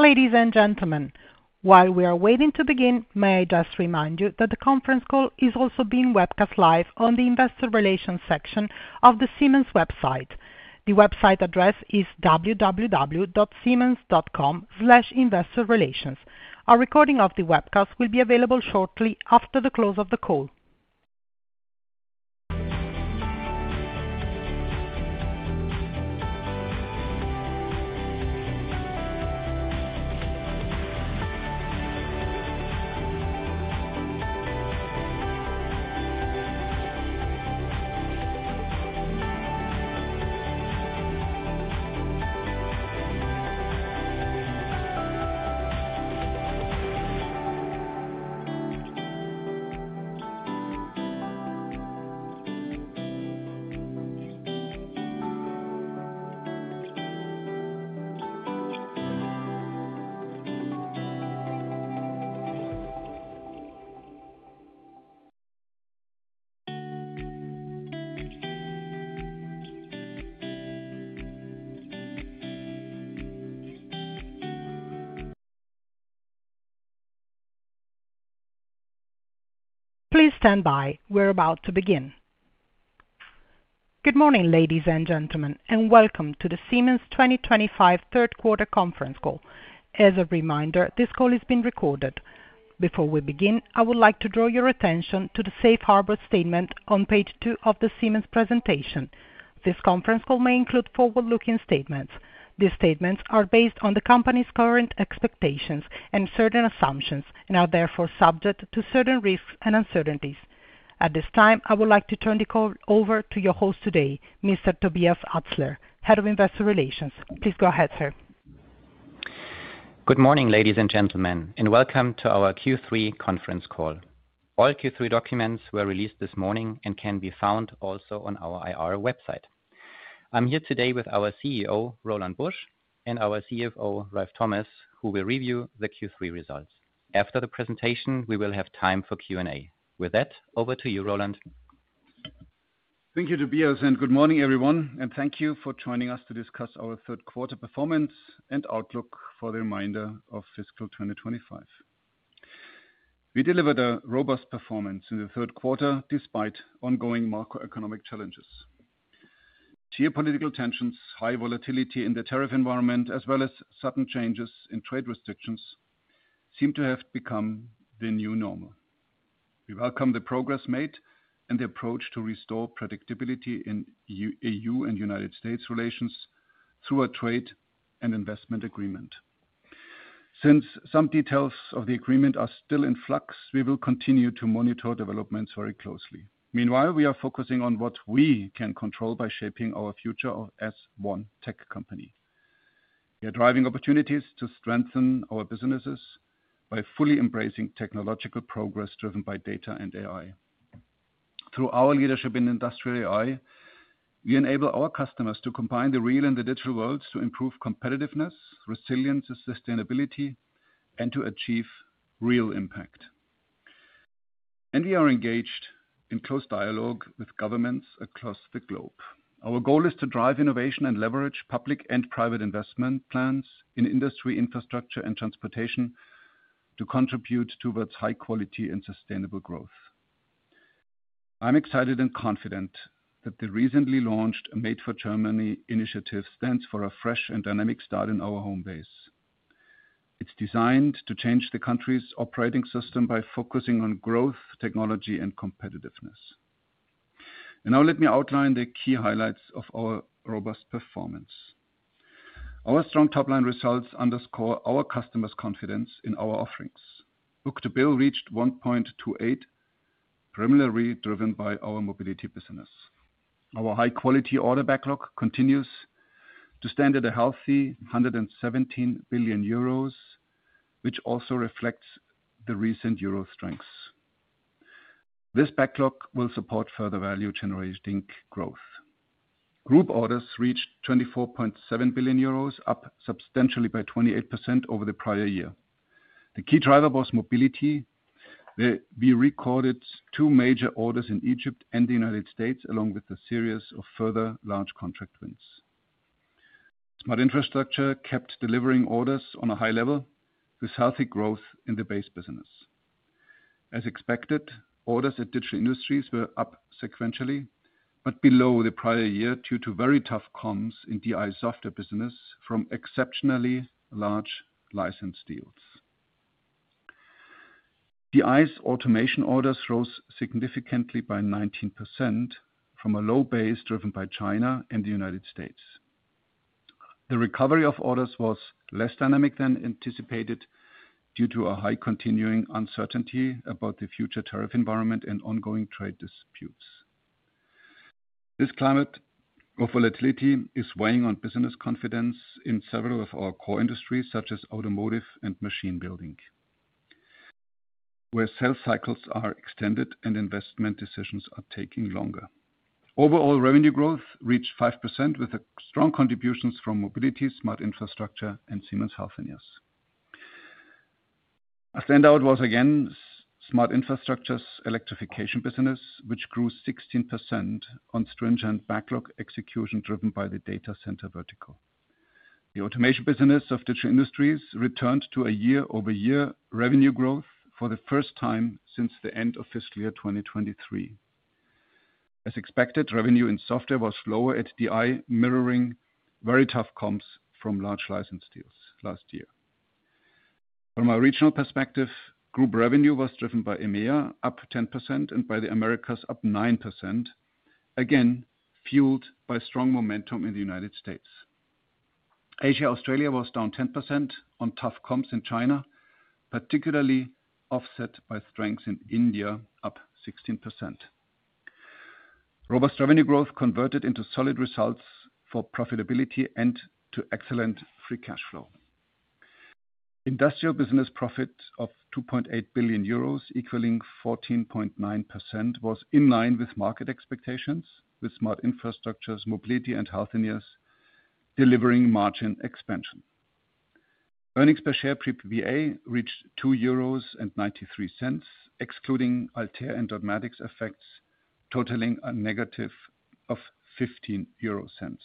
Ladies and gentlemen, while we are waiting to begin, may I just remind you that the conference call is also being webcast live on the Investor Relations section of the Siemens website. The website address is www.siemens.com/investorrelations. A recording of the webcast will be available shortly after the close of the call. Please stand by. We're about to begin. Good morning, ladies and gentlemen, and welcome to the Siemens 2025 third quarter conference call. As a reminder, this call is being recorded. Before we begin, I would like to draw your attention to the safe harbor statement on page two of the Siemens presentation. This conference call may include forward-looking statements. These statements are based on the company's current expectations and certain assumptions, and are therefore subject to certain risks and uncertainties. At this time, I would like to turn the call over to your host today, Mr. Tobias Atzler, Head of Investor Relations. Please go ahead, sir. Good morning, ladies and gentlemen, and welcome to our Q3 conference call. All Q3 documents were released this morning and can be found also on our IR website. I'm here today with our CEO, Roland Busch, and our CFO, Ralf Thomas, who will review the Q3 results. After the presentation, we will have time for Q&A. With that, over to you, Roland. Thank you, Tobias, and good morning, everyone, and thank you for joining us to discuss our third quarter performance and outlook for the remainder of fiscal 2025. We delivered a robust performance in the third quarter despite ongoing macroeconomic challenges. Geopolitical tensions, high volatility in the tariff environment, as well as sudden changes in trade restrictions, seem to have become the new normal. We welcome the progress made and the approach to restore predictability in EU and United States relations through a trade and investment agreement. Since some details of the agreement are still in flux, we will continue to monitor developments very closely. Meanwhile, we are focusing on what we can control by shaping our future as one tech company. We are driving opportunities to strengthen our businesses by fully embracing technological progress driven by data and AI. Through our leadership in industrial AI, we enable our customers to combine the real and the digital worlds to improve competitiveness, resilience, sustainability, and to achieve real impact. We are engaged in close dialogue with governments across the globe. Our goal is to drive innovation and leverage public and private investment plans in industry, infrastructure, and transportation to contribute towards high-quality and sustainable growth. I'm excited and confident that the recently launched Made for Germany initiative stands for a fresh and dynamic start in our home base. It's designed to change the country's operating system by focusing on growth, technology, and competitiveness. Now, let me outline the key highlights of our robust performance. Our strong top-line results underscore our customers' confidence in our offerings book-to-bill reached 1.28x, primarily driven by our Mobility business. Our high-quality order backlog continues to stand at a healthy 117 billion euros, which also reflects the recent euro strengths. This backlog will support further value-generating growth. Group orders reached 24.7 billion euros, up substantially by 28% over the prior year. The key driver was Mobility. We recorded two major orders in Egypt and the United States, along with a series of further large contract wins. Smart Infrastructure kept delivering orders on a high level with healthy growth in the base business. As expected, orders at Digital Industries were up sequentially, but below the prior year due to very tough comps in the software business from exceptionally large license deals. The ICE Automation orders rose significantly by 19% from a low base driven by China and the United States. The recovery of orders was less dynamic than anticipated due to a high continuing uncertainty about the future tariff environment and ongoing trade disputes. This climate of volatility is weighing on business confidence in several of our core industries, such as automotive and machine building, where sales cycles are extended and investment decisions are taking longer. Overall revenue growth reached 5% with strong contributions from Mobility, Smart Infrastructure, and Siemens Healthineers. A standout was, again, Smart Infrastructure's Electrification business, which grew 16% on stringent backlog execution driven by the Data Centers vertical. The automation business of Digital Industries returned to a year-over-year revenue growth for the first time since the end of fiscal year 2023. As expected, revenue in software was lower at the DI, mirroring very tough comps from large license deals last year. From a regional perspective, group revenue was driven by EMEA, up 10%, and by the Americas, up 9%, again fueled by strong momentum in the United States. Asia Australia was down 10% on tough comps in China, particularly offset by strengths in India, up 16%. Robust revenue growth converted into solid results for profitability and to excellent free cash flow. Industrial business profit of 2.8 billion euros, equaling 14.9%, was in line with market expectations, with Smart Infrastructure, Mobility, and Healthineers delivering margin expansion. Earnings per share pre-PPA reached 2.93 euros, excluding Altair and Dotmatics effects, totaling a negative of 0.15.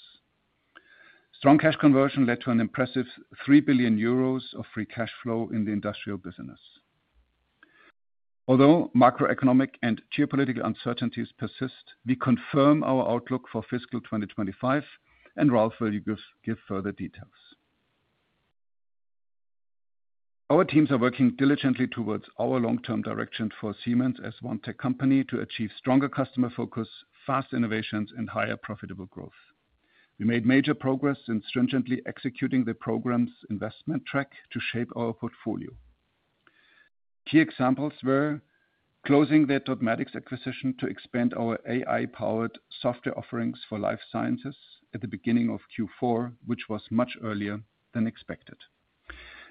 Strong cash conversion led to an impressive 3 billion euros of free cash flow in the industrial business. Although macroeconomic and geopolitical uncertainties persist, we confirm our outlook for fiscal 2025, and Ralf will give further details. Our teams are working diligently towards our long-term direction for Siemens as one tech company to achieve stronger customer focus, fast innovations, and higher profitable growth. We made major progress in stringently executing the program's investment track to shape our portfolio. Key examples were closing the Dotmatics acquisition to expand our AI-powered software offerings for life sciences at the beginning of Q4, which was much earlier than expected.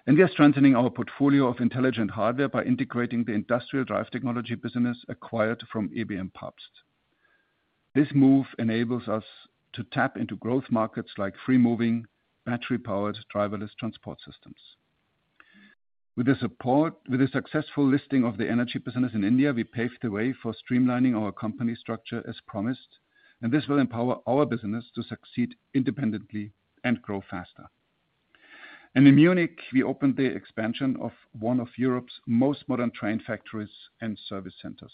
We are strengthening our portfolio of intelligent hardware by integrating the industrial drive technology business acquired from ebm-papst. This move enables us to tap into growth markets like free-moving, battery-powered, driverless transport systems. With the successful listing of the energy business in India, we paved the way for streamlining our company structure as promised, and this will empower our business to succeed independently and grow faster. In Munich, we opened the expansion of one of Europe's most modern train factories and service centers.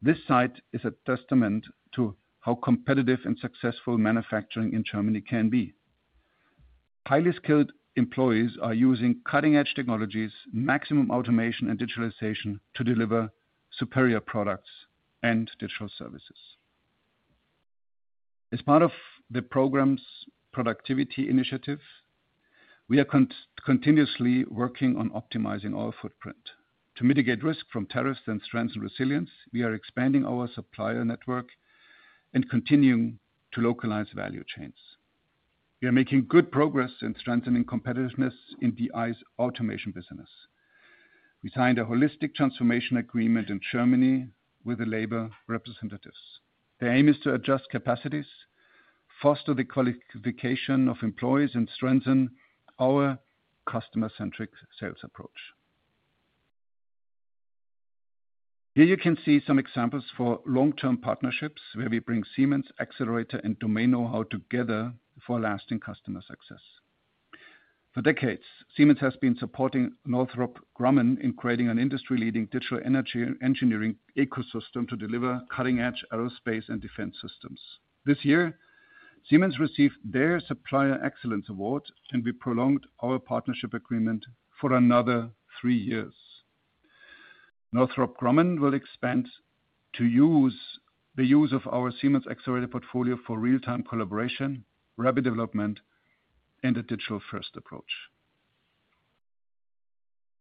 This site is a testament to how competitive and successful manufacturing in Germany can be. Highly skilled employees are using cutting-edge technologies, maximum automation, and digitalization to deliver superior products and digital services. As part of the program's productivity initiative, we are continuously working on optimizing our footprint. To mitigate risk from tariffs and strengthen resilience, we are expanding our supplier network and continuing to localize value chains. We are making good progress in strengthening competitiveness in the automation business. We signed a holistic transformation agreement in Germany with the labor representatives. The aim is to adjust capacities, foster the qualification of employees, and strengthen our customer-centric sales approach. Here you can see some examples for long-term partnerships where we bring Siemens Xcelerator and domain know-how together for lasting customer success. For decades, Siemens has been supporting Northrop Grumman in creating an industry-leading digital energy engineering ecosystem to deliver cutting-edge aerospace and defense systems. This year, Siemens received their Supplier Excellence Award, and we prolonged our partnership agreement for another three years. Northrop Grumman will expand the use of our Siemens Xcelerator portfolio for real-time collaboration, rapid development, and a digital-first approach.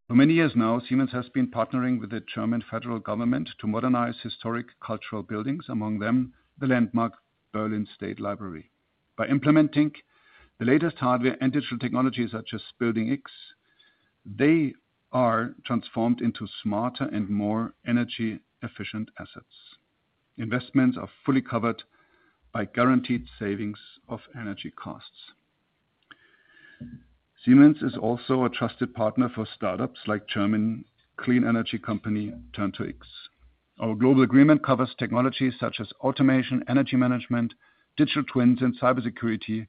For many years now, Siemens has been partnering with the German federal government to modernize historic cultural buildings, among them the landmark Berlin State Library. By implementing the latest hardware and digital technologies such as Building X, they are transformed into smarter and more energy-efficient assets. Investments are fully covered by guaranteed savings of energy costs. Siemens is also a trusted partner for startups like German clean energy company Turn2X. Our global agreement covers technologies such as automation, energy management, digital twins, and cybersecurity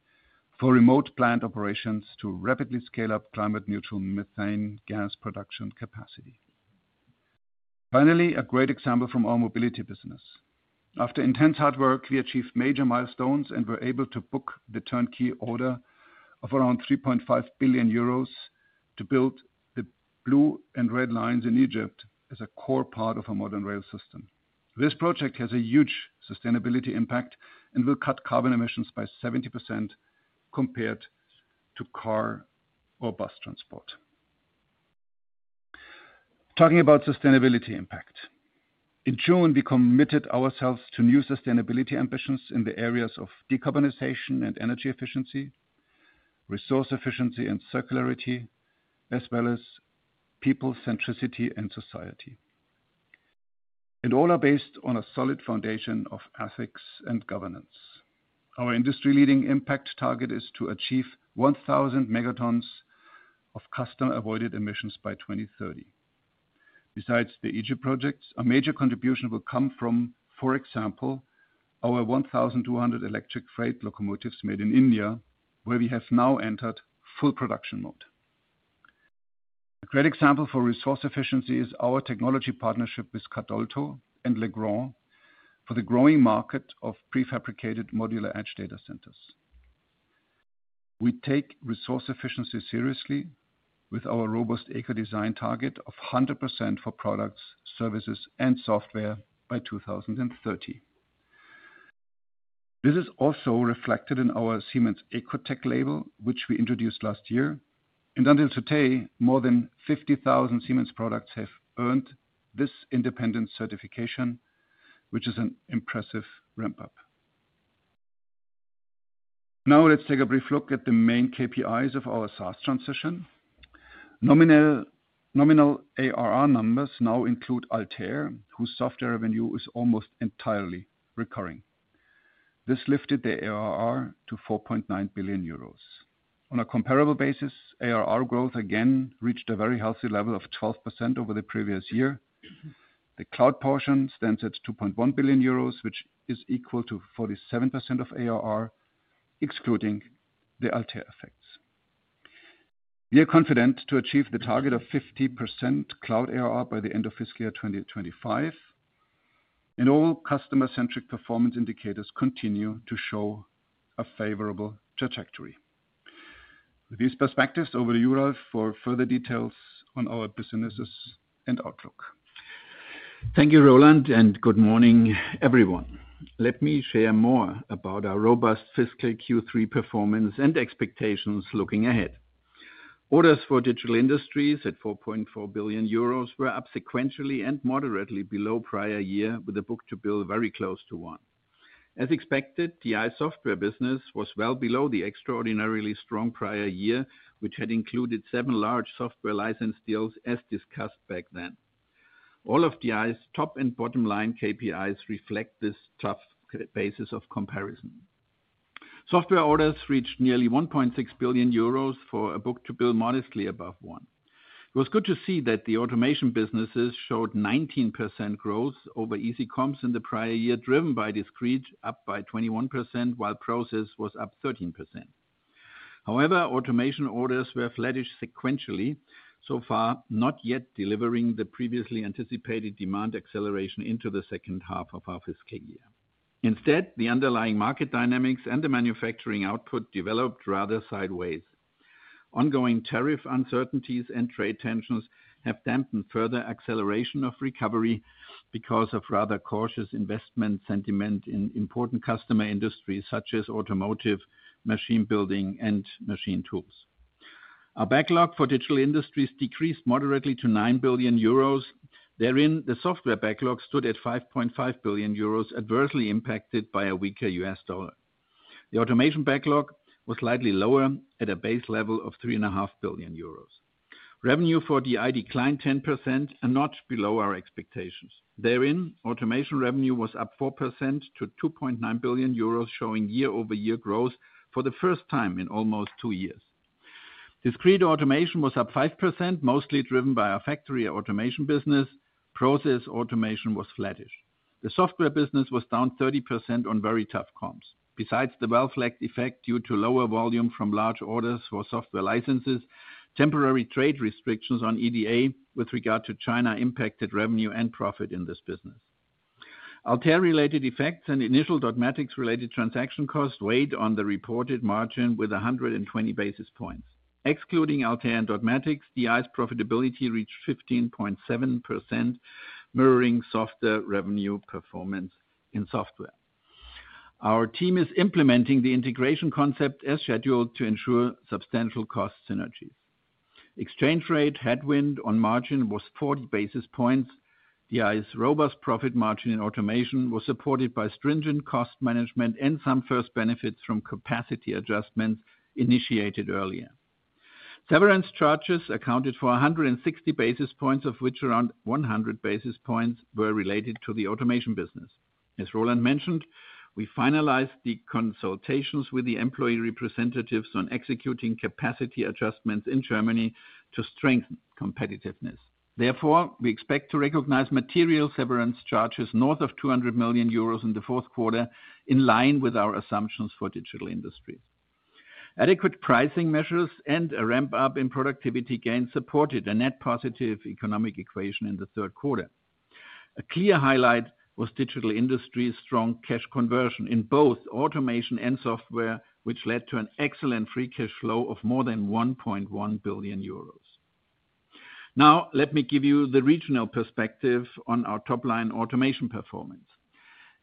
for remote plant operations to rapidly scale up climate-neutral methane gas production capacity. Finally, a great example from our Mobility business. After intense hard work, we achieved major milestones and were able to book the turnkey order of around 3.5 billion euros to build the blue and red lines in Egypt as a core part of a modern rail system. This project has a huge sustainability impact and will cut carbon emissions by 70% compared to car or bus transport. Talking about sustainability impact, in June, we committed ourselves to new sustainability ambitions in the areas of decarbonization and energy efficiency, resource efficiency and circularity, as well as people-centricity and society. All are based on a solid foundation of ethics and governance. Our industry-leading impact target is to achieve 1,000 megatons of customer-avoided emissions by 2030. Besides the Egypt projects, a major contribution will come from, for example, our 1,200 electric freight locomotives made in India, where we have now entered full production mode. A great example for resource efficiency is our technology partnership with Cadolto and Legrand for the growing market of prefabricated modular edge data centers. We take resource efficiency seriously with our robust eco-design target of 100% for products, services, and software by 2030. This is also reflected in our Siemens EcoTech label, which we introduced last year. Until today, more than 50,000 Siemens products have earned this independent certification, which is an impressive ramp-up. Now, let's take a brief look at the main KPIs of our SaaS transition. Nominal ARR numbers now include Altair, whose software revenue is almost entirely recurring. This lifted the ARR to 4.9 billion euros. On a comparable basis, ARR growth again reached a very healthy level of 12% over the previous year. The cloud portion stands at 2.1 billion euros, which is equal to 47% of ARR, excluding the Altair effects. We are confident to achieve the target of 50% cloud ARR by the end of fiscal year 2025. All customer-centric performance indicators continue to show a favorable trajectory. With these perspectives, over to you, Ralf, for further details on our businesses and outlook. Thank you, Roland, and good morning, everyone. Let me share more about our robust fiscal Q3 performance and expectations looking ahead. Orders for Digital Industries at 4.4 billion euros were up sequentially and moderately below prior year, with a book-to-bill very close to one. As expected, the software business was well below the extraordinarily strong prior year, which had included seven large software license deals as discussed back then. All of the top and bottom line KPIs reflect this tough basis of comparison. Software orders reached nearly 1.6 billion euros for a book-to-bill modestly above one. It was good to see that the automation businesses showed 19% growth over easy comps in the prior year, driven by discrete, up by 21%, while process was up 13%. However, automation orders were flattish sequentially, so far not yet delivering the previously anticipated demand acceleration into the second half of our fiscal year. Instead, the underlying market dynamics and the manufacturing output developed rather sideways. Ongoing tariff uncertainties and trade tensions have dampened further acceleration of recovery because of rather cautious investment sentiment in important customer industries such as automotive, machine building, and machine tools. Our backlog for Digital Industries decreased moderately to 9 billion euros. Therein, the software backlog stood at 5.5 billion euros, adversely impacted by a weaker U.S. dollar. The automation backlog was slightly lower at a base level of 3.5 billion euros. Revenue for DI declined 10%, a notch below our expectations. Therein, automation revenue was up 4% to 2.9 billion euros, showing year-over-year growth for the first time in almost two years. Discrete automation was up 5%, mostly driven by our Factory Automation business. Process automation was flattish. The software business was down 30% on very tough comps. Besides the well-flagged effect due to lower volume from large orders for software licenses, temporary trade restrictions on EDA with regard to China impacted revenue and profit in this business. Altair-related effects and initial Dotmatics-related transaction costs weighed on the reported margin with 120 basis points. Excluding Altair and Dotmatics, DI's profitability reached 15.7%, mirroring software revenue performance in software. Our team is implementing the integration concept as scheduled to ensure substantial cost synergy. Exchange rate headwind on margin was 40 basis points. DI's robust profit margin in automation was supported by stringent cost management and some first benefits from capacity adjustments initiated earlier. Severance charges accounted for 160 basis points, of which around 100 basis points were related to the automation business. As Roland mentioned, we finalized the consultations with the employee representatives on executing capacity adjustments in Germany to strengthen competitiveness. Therefore, we expect to recognize material severance charges north of 200 million euros in the fourth quarter, in line with our assumptions for Digital Industries. Adequate pricing measures and a ramp-up in productivity gains supported a net positive economic equation in the third quarter. A clear highlight was Digital Industries' strong cash conversion in both automation and software, which led to an excellent free cash flow of more than 1.1 billion euros. Now, let me give you the regional perspective on our top-line automation performance.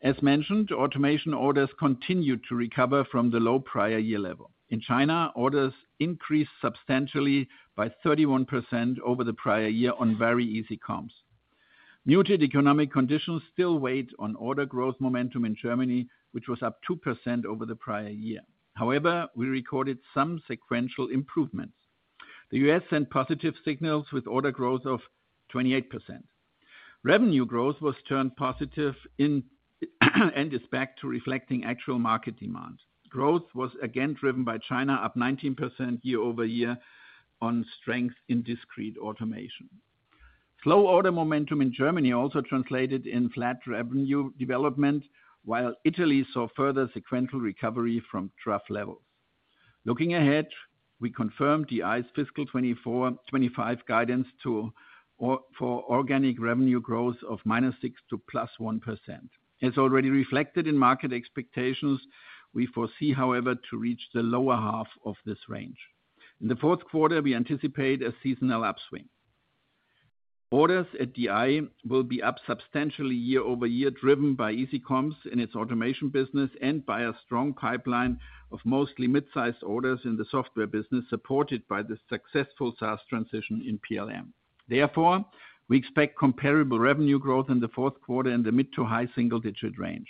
As mentioned, automation orders continued to recover from the low prior year level. In China, orders increased substantially by 31% over the prior year on very easy comps. Muted economic conditions still weighed on order growth momentum in Germany, which was up 2% over the prior year. However, we recorded some sequential improvements. The U.S. sent positive signals with order growth of 28%. Revenue growth was turned positive and is back to reflecting actual market demand. Growth was again driven by China, up 19% year-over-year on strength in discrete automation. Slow order momentum in Germany also translated in flat revenue development, while Italy saw further sequential recovery from trough level. Looking ahead, we confirmed DI's fiscal 2025 guidance for organic revenue growth of -6% to +1%. As already reflected in market expectations, we foresee, however, to reach the lower half of this range. In the fourth quarter, we anticipate a seasonal upswing. Orders at DI will be up substantially year-over-year, driven by easy comps in its automation business and by a strong pipeline of mostly mid-sized orders in the software business, supported by the successful SaaS transition in PLM. Therefore, we expect comparable revenue growth in the fourth quarter in the mid to high single-digit range.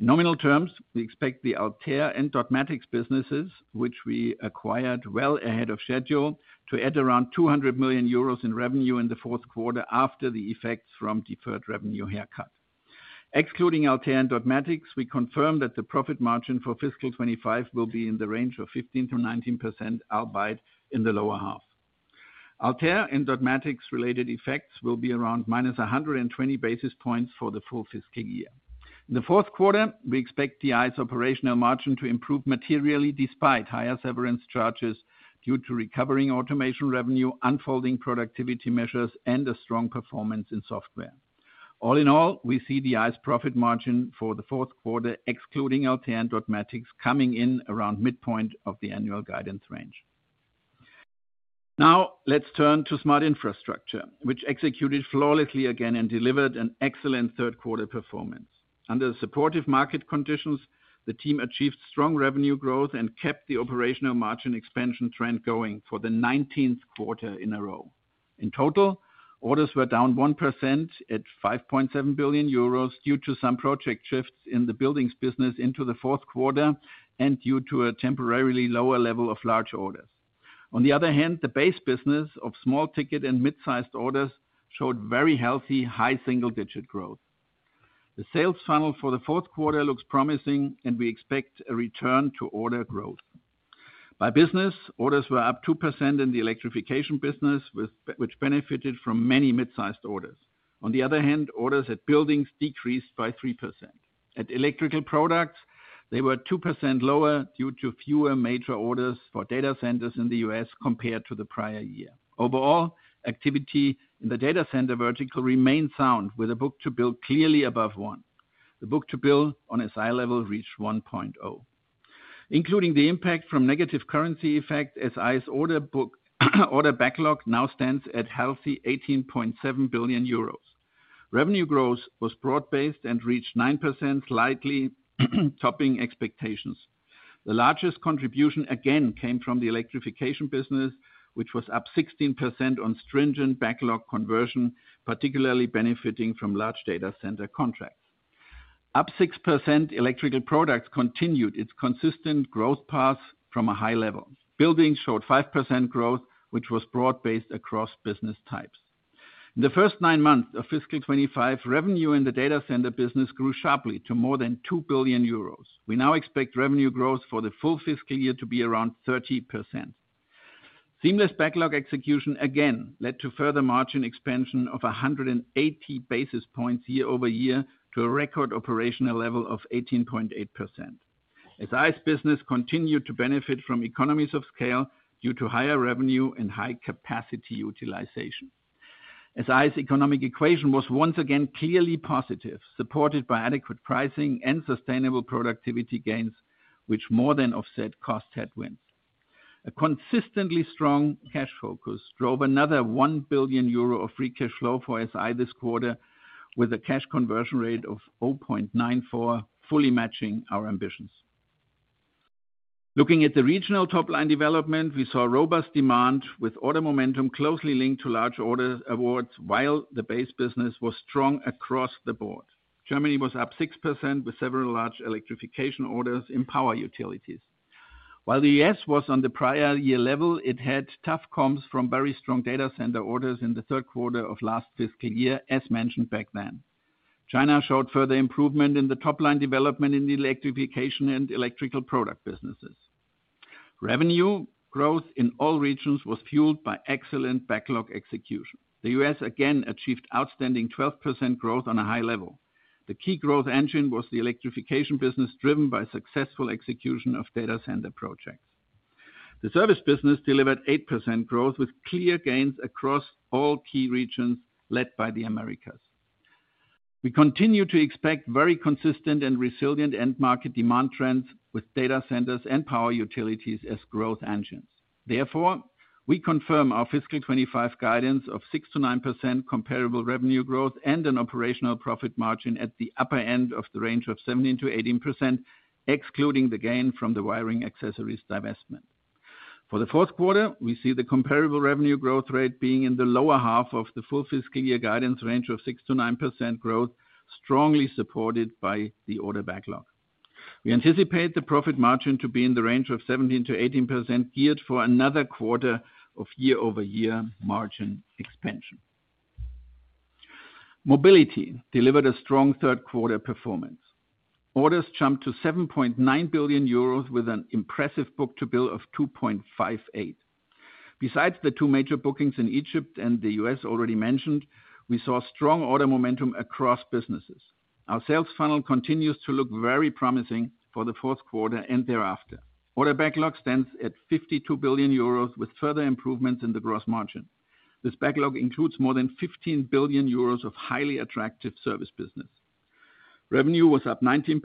In nominal terms, we expect the Altair and Dotmatics businesses, which we acquired well ahead of schedule, to add around 200 million euros in revenue in the fourth quarter after the effects from deferred revenue haircut. Excluding Altair and Dotmatics, we confirm that the profit margin for fiscal 2025 will be in the range of 15%-19%, albeit in the lower half. Altair and Dotmatics-related effects will be around -120 basis points for the full fiscal year. In the fourth quarter, we expect DI's operational margin to improve materially despite higher severance charges due to recovering automation revenue, unfolding productivity measures, and a strong performance in software. All in all, we see DI's profit margin for the fourth quarter, excluding Altair and Dotmatics, coming in around midpoint of the annual guidance range. Now, let's turn to Smart Infrastructure, which executed flawlessly again and delivered an excellent third-quarter performance. Under supportive market conditions, the team achieved strong revenue growth and kept the operational margin expansion trend going for the 19th quarter in a row. In total, orders were down 1% at 5.7 billion euros due to some project shifts in the Buildings business into the fourth quarter and due to a temporarily lower level of large orders. On the other hand, the base business of small ticket and mid-sized orders showed very healthy high single-digit growth. The sales funnel for the fourth quarter looks promising, and we expect a return to order growth. By business, orders were up 2% in the Electrification business, which benefited from many mid-sized orders. On the other hand, orders at Buildings decreased by 3%. At Electrical Products, they were 2% lower due to fewer major orders for Data Centers in the U.S. compared to the prior year. Overall, activity in the Data Center vertical remains sound, with a book-to-bill clearly above one. The book-to-bill on SI level reached 1.0x. Including the impact from negative currency effects, SI's order backlog now stands at a healthy 18.7 billion euros. Revenue growth was broad-based and reached 9%, slightly topping expectations. The largest contribution again came from the Electrification business, which was up 16% on stringent backlog conversion, particularly benefiting from large Data Center contracts. Up 6%, Electrical Products continued its consistent growth path from a high level. Buildings showed 5% growth, which was broad-based across business types. In the first nine months of fiscal 2025, revenue in the data center business grew sharply to more than 2 billion euros. We now expect revenue growth for the full fiscal year to be around 30%. Seamless backlog execution again led to further margin expansion of 180 basis points year-over-year to a record operational level of 18.8%. SI's business continued to benefit from economies of scale due to higher revenue and high capacity utilization. SI's economic equation was once again clearly positive, supported by adequate pricing and sustainable productivity gains, which more than offset cost headwind. A consistently strong cash focus drove another 1 billion euro of free cash flow for SI this quarter, with a cash conversion rate of 0.94, fully matching our ambitions. Looking at the regional top-line development, we saw robust demand with order momentum closely linked to large order awards, while the base business was strong across the board. Germany was up 6% with several large electrification orders in power utilities. While the U.S. was on the prior year level, it had tough comps from very strong data center orders in the third quarter of last fiscal year, as mentioned back then. China showed further improvement in the top-line development in the electrification and electrical product businesses. Revenue growth in all regions was fueled by excellent backlog execution. The U.S. again achieved outstanding 12% growth on a high level. The key growth engine was the electrification business, driven by successful execution of data center projects. The service business delivered 8% growth with clear gains across all key regions led by the Americas. We continue to expect very consistent and resilient end-market demand trends with data centers and power utilities as growth engines. Therefore, we confirm our fiscal 2025 guidance of 6%-9% comparable revenue growth and an operational profit margin at the upper end of the range of 17%-18%, excluding the gain from the wiring accessories divestment. For the fourth quarter, we see the comparable revenue growth rate being in the lower half of the full fiscal year guidance range of 6%-9% growth, strongly supported by the order backlog. We anticipate the profit margin to be in the range of 17%-18%, geared for another quarter of year-over-year margin expansion. Mobility delivered a strong third-quarter performance. Orders jumped to 7.9 billion euros with an impressive book-to-bill of 2.58x. Besides the two major bookings in Egypt and the U.S. already mentioned, we saw strong order momentum across businesses. Our sales funnel continues to look very promising for the fourth quarter and thereafter. Order backlog stands at 52 billion euros with further improvements in the gross margin. This backlog includes more than 15 billion euros of highly attractive service business. Revenue was up 19%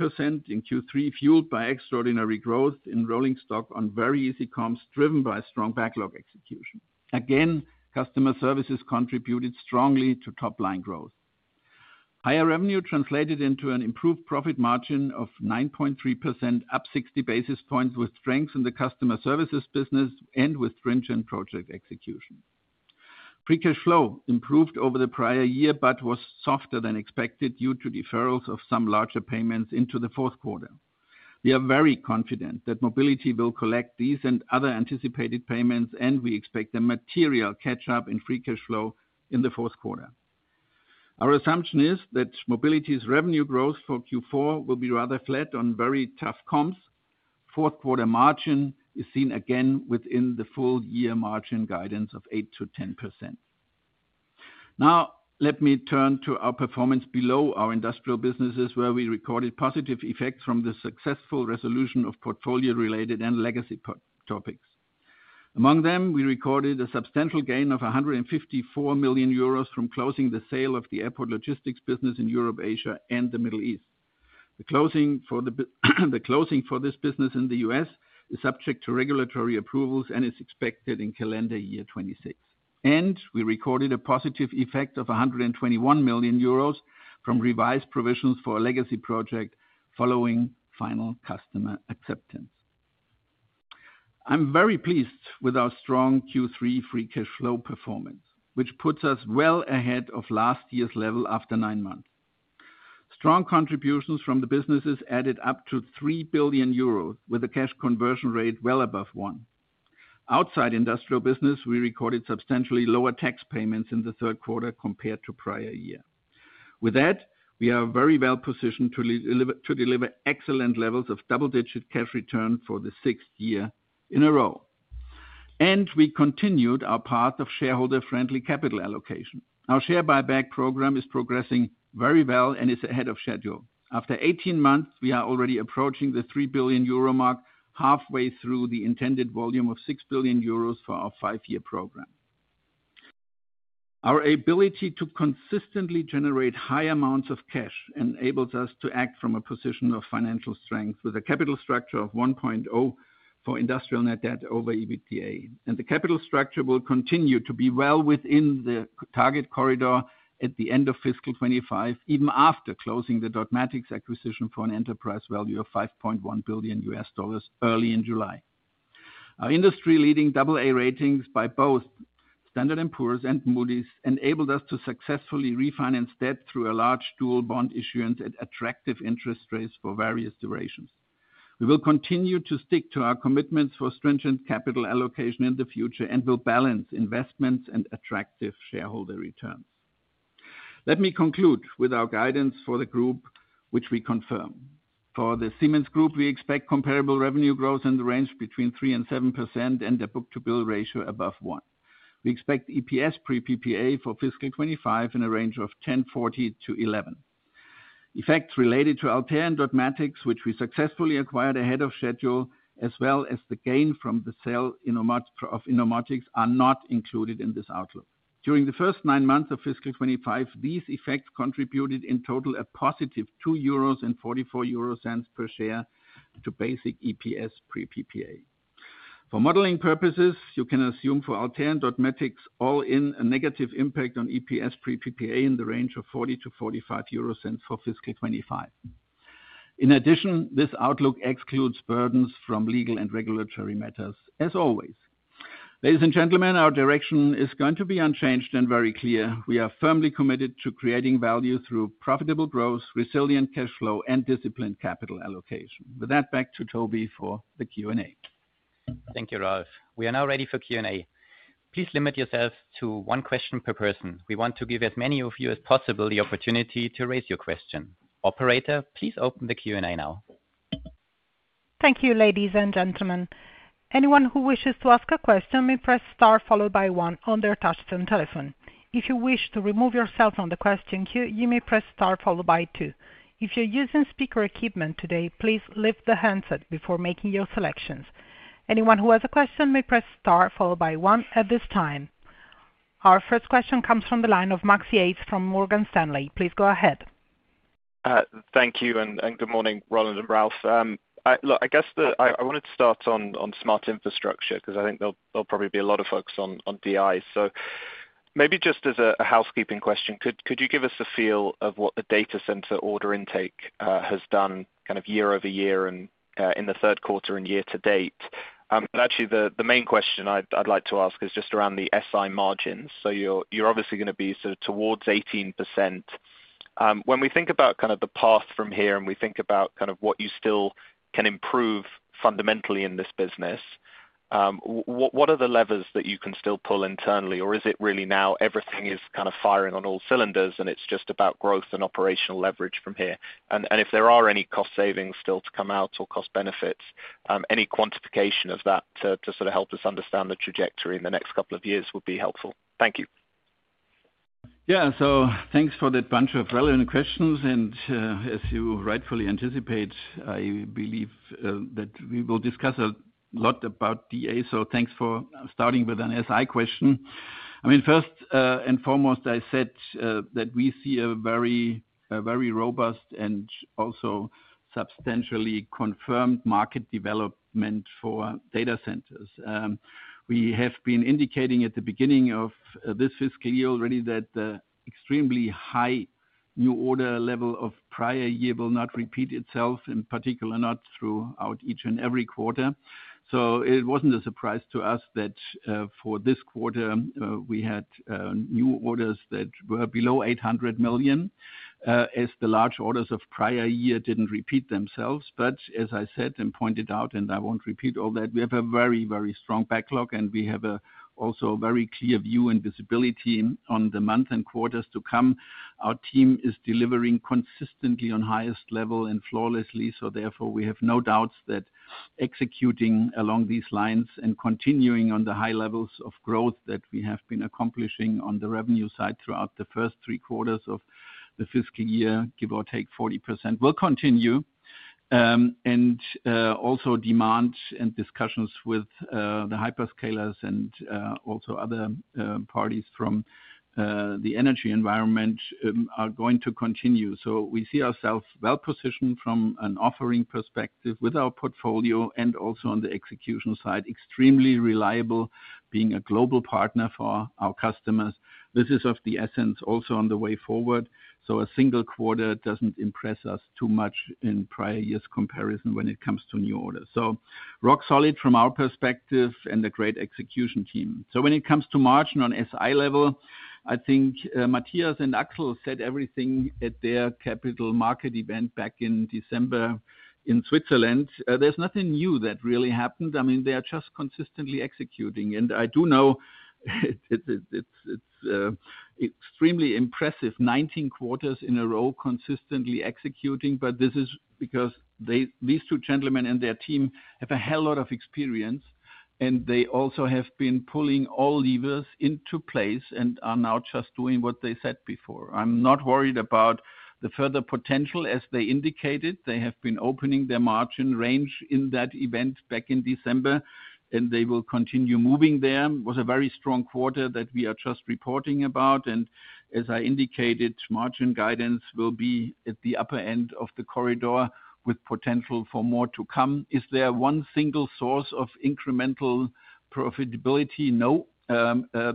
in Q3, fueled by extraordinary growth in rolling stock on very easy comps, driven by strong backlog execution. Again, customer services contributed strongly to top-line growth. Higher revenue translated into an improved profit margin of 9.3%, up 60 basis points with strengths in the customer services business and with stringent project execution. Free cash flow improved over the prior year, but was softer than expected due to deferrals of some larger payments into the fourth quarter. We are very confident that Mobility will collect these and other anticipated payments, and we expect a material catch-up in free cash flow in the fourth quarter. Our assumption is that Mobility's revenue growth for Q4 will be rather flat on very tough comps. Fourth quarter margin is seen again within the full year margin guidance of 8%-10%. Now, let me turn to our performance below our industrial businesses, where we recorded positive effects from the successful resolution of portfolio-related and legacy topics. Among them, we recorded a substantial gain of 154 million euros from closing the sale of the airport logistics business in Europe, Asia, and the Middle East. The closing for this business in the U.S. is subject to regulatory approvals and is expected in calendar year 2026. We recorded a positive effect of 121 million euros from revised provisions for a legacy project following final customer acceptance. I'm very pleased with our strong Q3 free cash flow performance, which puts us well ahead of last year's level after nine months. Strong contributions from the businesses added up to 3 billion euros, with a cash conversion rate well above one. Outside industrial business, we recorded substantially lower tax payments in the third quarter compared to prior year. With that, we are very well positioned to deliver excellent levels of double-digit cash return for the sixth year in a row. We continued our path of shareholder-friendly capital allocation. Our share buyback program is progressing very well and is ahead of schedule. After 18 months, we are already approaching the 3 billion euro mark, halfway through the intended volume of 6 billion euros for our five-year program. Our ability to consistently generate high amounts of cash enables us to act from a position of financial strength, with a capital structure of 1.0x for industrial net debt over EBITDA. The capital structure will continue to be well within the target corridor at the end of fiscal 2025, even after closing the Dotmatics acquisition for an enterprise value of $5.1 billion early in July. Our industry-leading AA ratings by both Standard & Poor's and Moody's enabled us to successfully refinance debt through a large dual bond issuance at attractive interest rates for various durations. We will continue to stick to our commitments for stringent capital allocation in the future and will balance investments and attractive shareholder returns. Let me conclude with our guidance for the group, which we confirm. For the Siemens group, we expect comparable revenue growth in the range between 3% and 7% and a book-to-bill ratio above 1x. We expect EPS pre-PPA for fiscal 2025 in a range of 10.40x-11x. Effects related to Altair and Dotmatics, which we successfully acquired ahead of schedule, as well as the gain from the sale of Innomotics are not included in this outlook. During the first nine months of fiscal 2025, these effects contributed in total a +2.44 euros per share to basic EPS pre-PPA. For modeling purposes, you can assume for Altair and Dotmatics all in a negative impact on EPS pre-PPA in the range of 0.40-0.45 euro for fiscal 2025. In addition, this outlook excludes burdens from legal and regulatory matters, as always. Ladies and gentlemen, our direction is going to be unchanged and very clear. We are firmly committed to creating value through profitable growth, resilient cash flow, and disciplined capital allocation. With that, back to Tobi for the Q&A. Thank you, Ralf. We are now ready for Q&A. Please limit yourself to one question per person. We want to give as many of you as possible the opportunity to raise your question. Operator, please open the Q&A now. Thank you, ladies and gentlemen. Anyone who wishes to ask a question may press star followed by one on their touchtone telephone. If you wish to remove yourself from the question queue, you may press star followed by two. If you're using speaker equipment today, please lift the headset before making your selections. Anyone who has a question may press star followed by one at this time. Our first question comes from the line of Max Yates from Morgan Stanley. Please go ahead. Thank you, and good morning, Roland and Ralf. I guess I wanted to start on Smart Infrastructure because I think there'll probably be a lot of focus on DI. Maybe just as a housekeeping question, could you give us a feel of what the Data Center order intake has done year over year and in the third quarter and year to date? Actually, the main question I'd like to ask is just around the SI margins. You're obviously going to be sort of towards 18%. When we think about the path from here and we think about what you still can improve fundamentally in this business, what are the levers that you can still pull internally, or is it really now everything is firing on all cylinders and it's just about growth and operational leverage from here? If there are any cost savings still to come out or cost benefits, any quantification of that to help us understand the trajectory in the next couple of years would be helpful. Thank you. Yeah, thanks for that bunch of relevant questions. As you rightfully anticipate, I believe that we will discuss a lot about DA. Thanks for starting with an SI question. First and foremost, I said that we see a very, very robust and also substantially confirmed market development for Data Centers. We have been indicating at the beginning of this fiscal year already that the extremely high new order level of prior year will not repeat itself, in particular not throughout each and every quarter. It wasn't a surprise to us that for this quarter we had new orders that were below $800 million, as the large orders of prior year didn't repeat themselves. As I said and pointed out, and I won't repeat all that, we have a very, very strong backlog and we have also a very clear view and visibility on the month and quarters to come. Our team is delivering consistently on the highest level and flawlessly, therefore we have no doubts that executing along these lines and continuing on the high levels of growth that we have been accomplishing on the revenue side throughout the first three quarters of the fiscal year, give or take 40%, will continue. Also, demand and discussions with the hyperscalers and other parties from the energy environment are going to continue. We see ourselves well positioned from an offering perspective with our portfolio and also on the execution side, extremely reliable, being a global partner for our customers. This is of the essence also on the way forward. A single quarter doesn't impress us too much in prior year's comparison when it comes to new orders. Rock solid from our perspective and a great execution team. When it comes to margin on SI level, I think Matthias and Axel said everything at their capital market event back in December in Switzerland. There's nothing new that really happened. They're just consistently executing. I do know it's extremely impressive, 19 quarters in a row consistently executing, but this is because these two gentlemen and their team have a hell of a lot of experience. They also have been pulling all levers into place and are now just doing what they said before. I'm not worried about the further potential. As they indicated, they have been opening their margin range in that event back in December, and they will continue moving there. It was a very strong quarter that we are just reporting about. As I indicated, margin guidance will be at the upper end of the corridor with potential for more to come. Is there one single source of incremental profitability? No.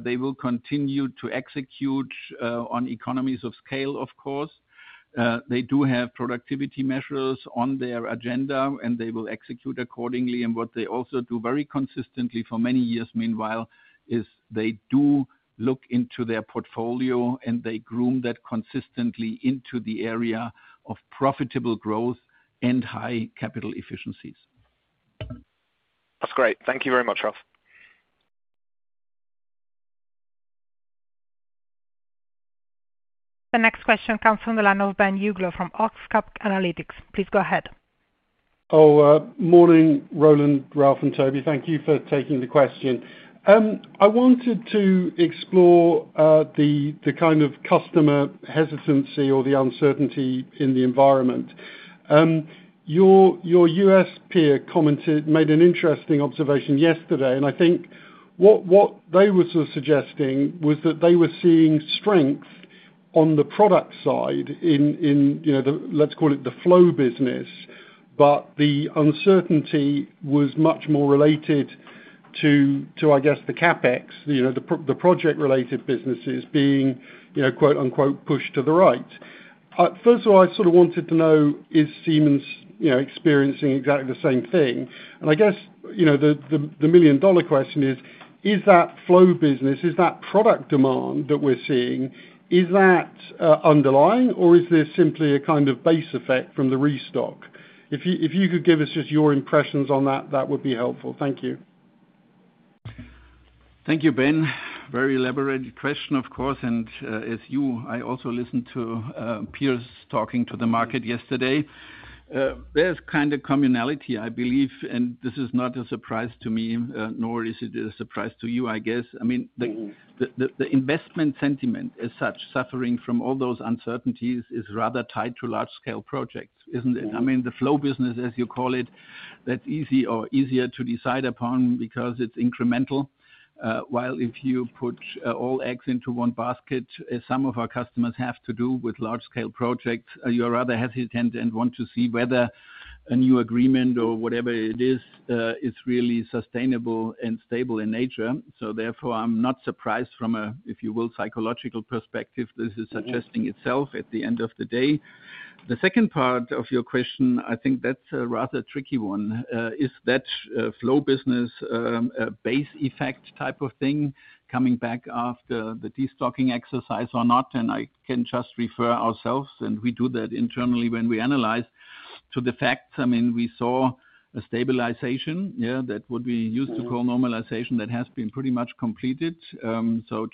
They will continue to execute on economies of scale, of course. They do have productivity measures on their agenda, and they will execute accordingly. What they also do very consistently for many years, meanwhile, is they do look into their portfolio, and they groom that consistently into the area of profitable growth and high capital efficiencies. That's great. Thank you very much, Ralf. The next question comes from the line of Ben Uglow from OxCap Analytics. Please go ahead. Oh, morning, Roland, Ralf, and Tobi. Thank you for taking the question. I wanted to explore the kind of customer hesitancy or the uncertainty in the environment. Your U.S. peer made an interesting observation yesterday, and I think what they were sort of suggesting was that they were seeing strength on the product side in, you know, let's call it the flow business, but the uncertainty was much more related to, I guess, the CapEx, you know, the project-related businesses being, you know, quote, unquote, pushed to the right. First of all, I sort of wanted to know, is Siemens, you know, experiencing exactly the same thing? I guess, you know, the million-dollar question is, is that flow business, is that product demand that we're seeing, is that underlying, or is there simply a kind of base effect from the restock? If you could give us just your impressions on that, that would be helpful. Thank you. Thank you, Ben. Very elaborated question, of course. As you, I also listened to peers talking to the market yesterday. There is kind of a commonality, I believe, and this is not a surprise to me, nor is it a surprise to you, I guess. I mean, the investment sentiment as such, suffering from all those uncertainties, is rather tied to large-scale projects, isn't it? The flow business, as you call it, that's easy or easier to decide upon because it's incremental. While if you put all eggs into one basket, as some of our customers have to do with large-scale projects, you're rather hesitant and want to see whether a new agreement or whatever it is is really sustainable and stable in nature. Therefore, I'm not surprised from a, if you will, psychological perspective, this is suggesting itself at the end of the day. The second part of your question, I think that's a rather tricky one. Is that flow business a base effect type of thing coming back after the destocking exercise or not? I can just refer ourselves, and we do that internally when we analyze, to the fact, I mean, we saw a stabilization, yeah, that what we used to call normalization, that has been pretty much completed.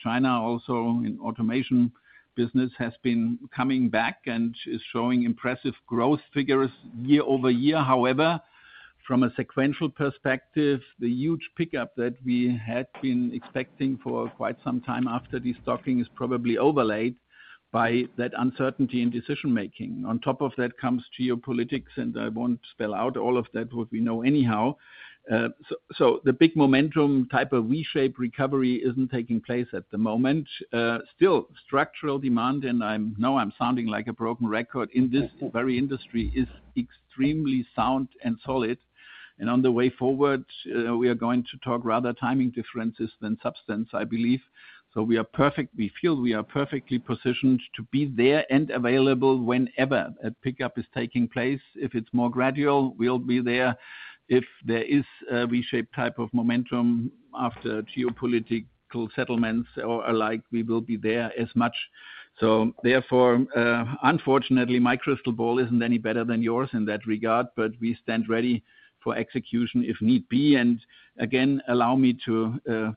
China also in the automation business has been coming back and is showing impressive growth figures year over year. However, from a sequential perspective, the huge pickup that we had been expecting for quite some time after destocking is probably overlaid by that uncertainty in decision-making. On top of that comes geopolitics, and I won't spell out all of that, what we know anyhow. The big momentum type of reshape recovery isn't taking place at the moment. Still, structural demand, and I know I'm sounding like a broken record in this very industry, is extremely sound and solid. On the way forward, we are going to talk rather timing differences than substance, I believe. We feel we are perfectly positioned to be there and available whenever a pickup is taking place. If it's more gradual, we'll be there. If there is a reshape type of momentum after geopolitical settlements or alike, we will be there as much. Unfortunately, my crystal ball isn't any better than yours in that regard, but we stand ready for execution if need be. Again, allow me to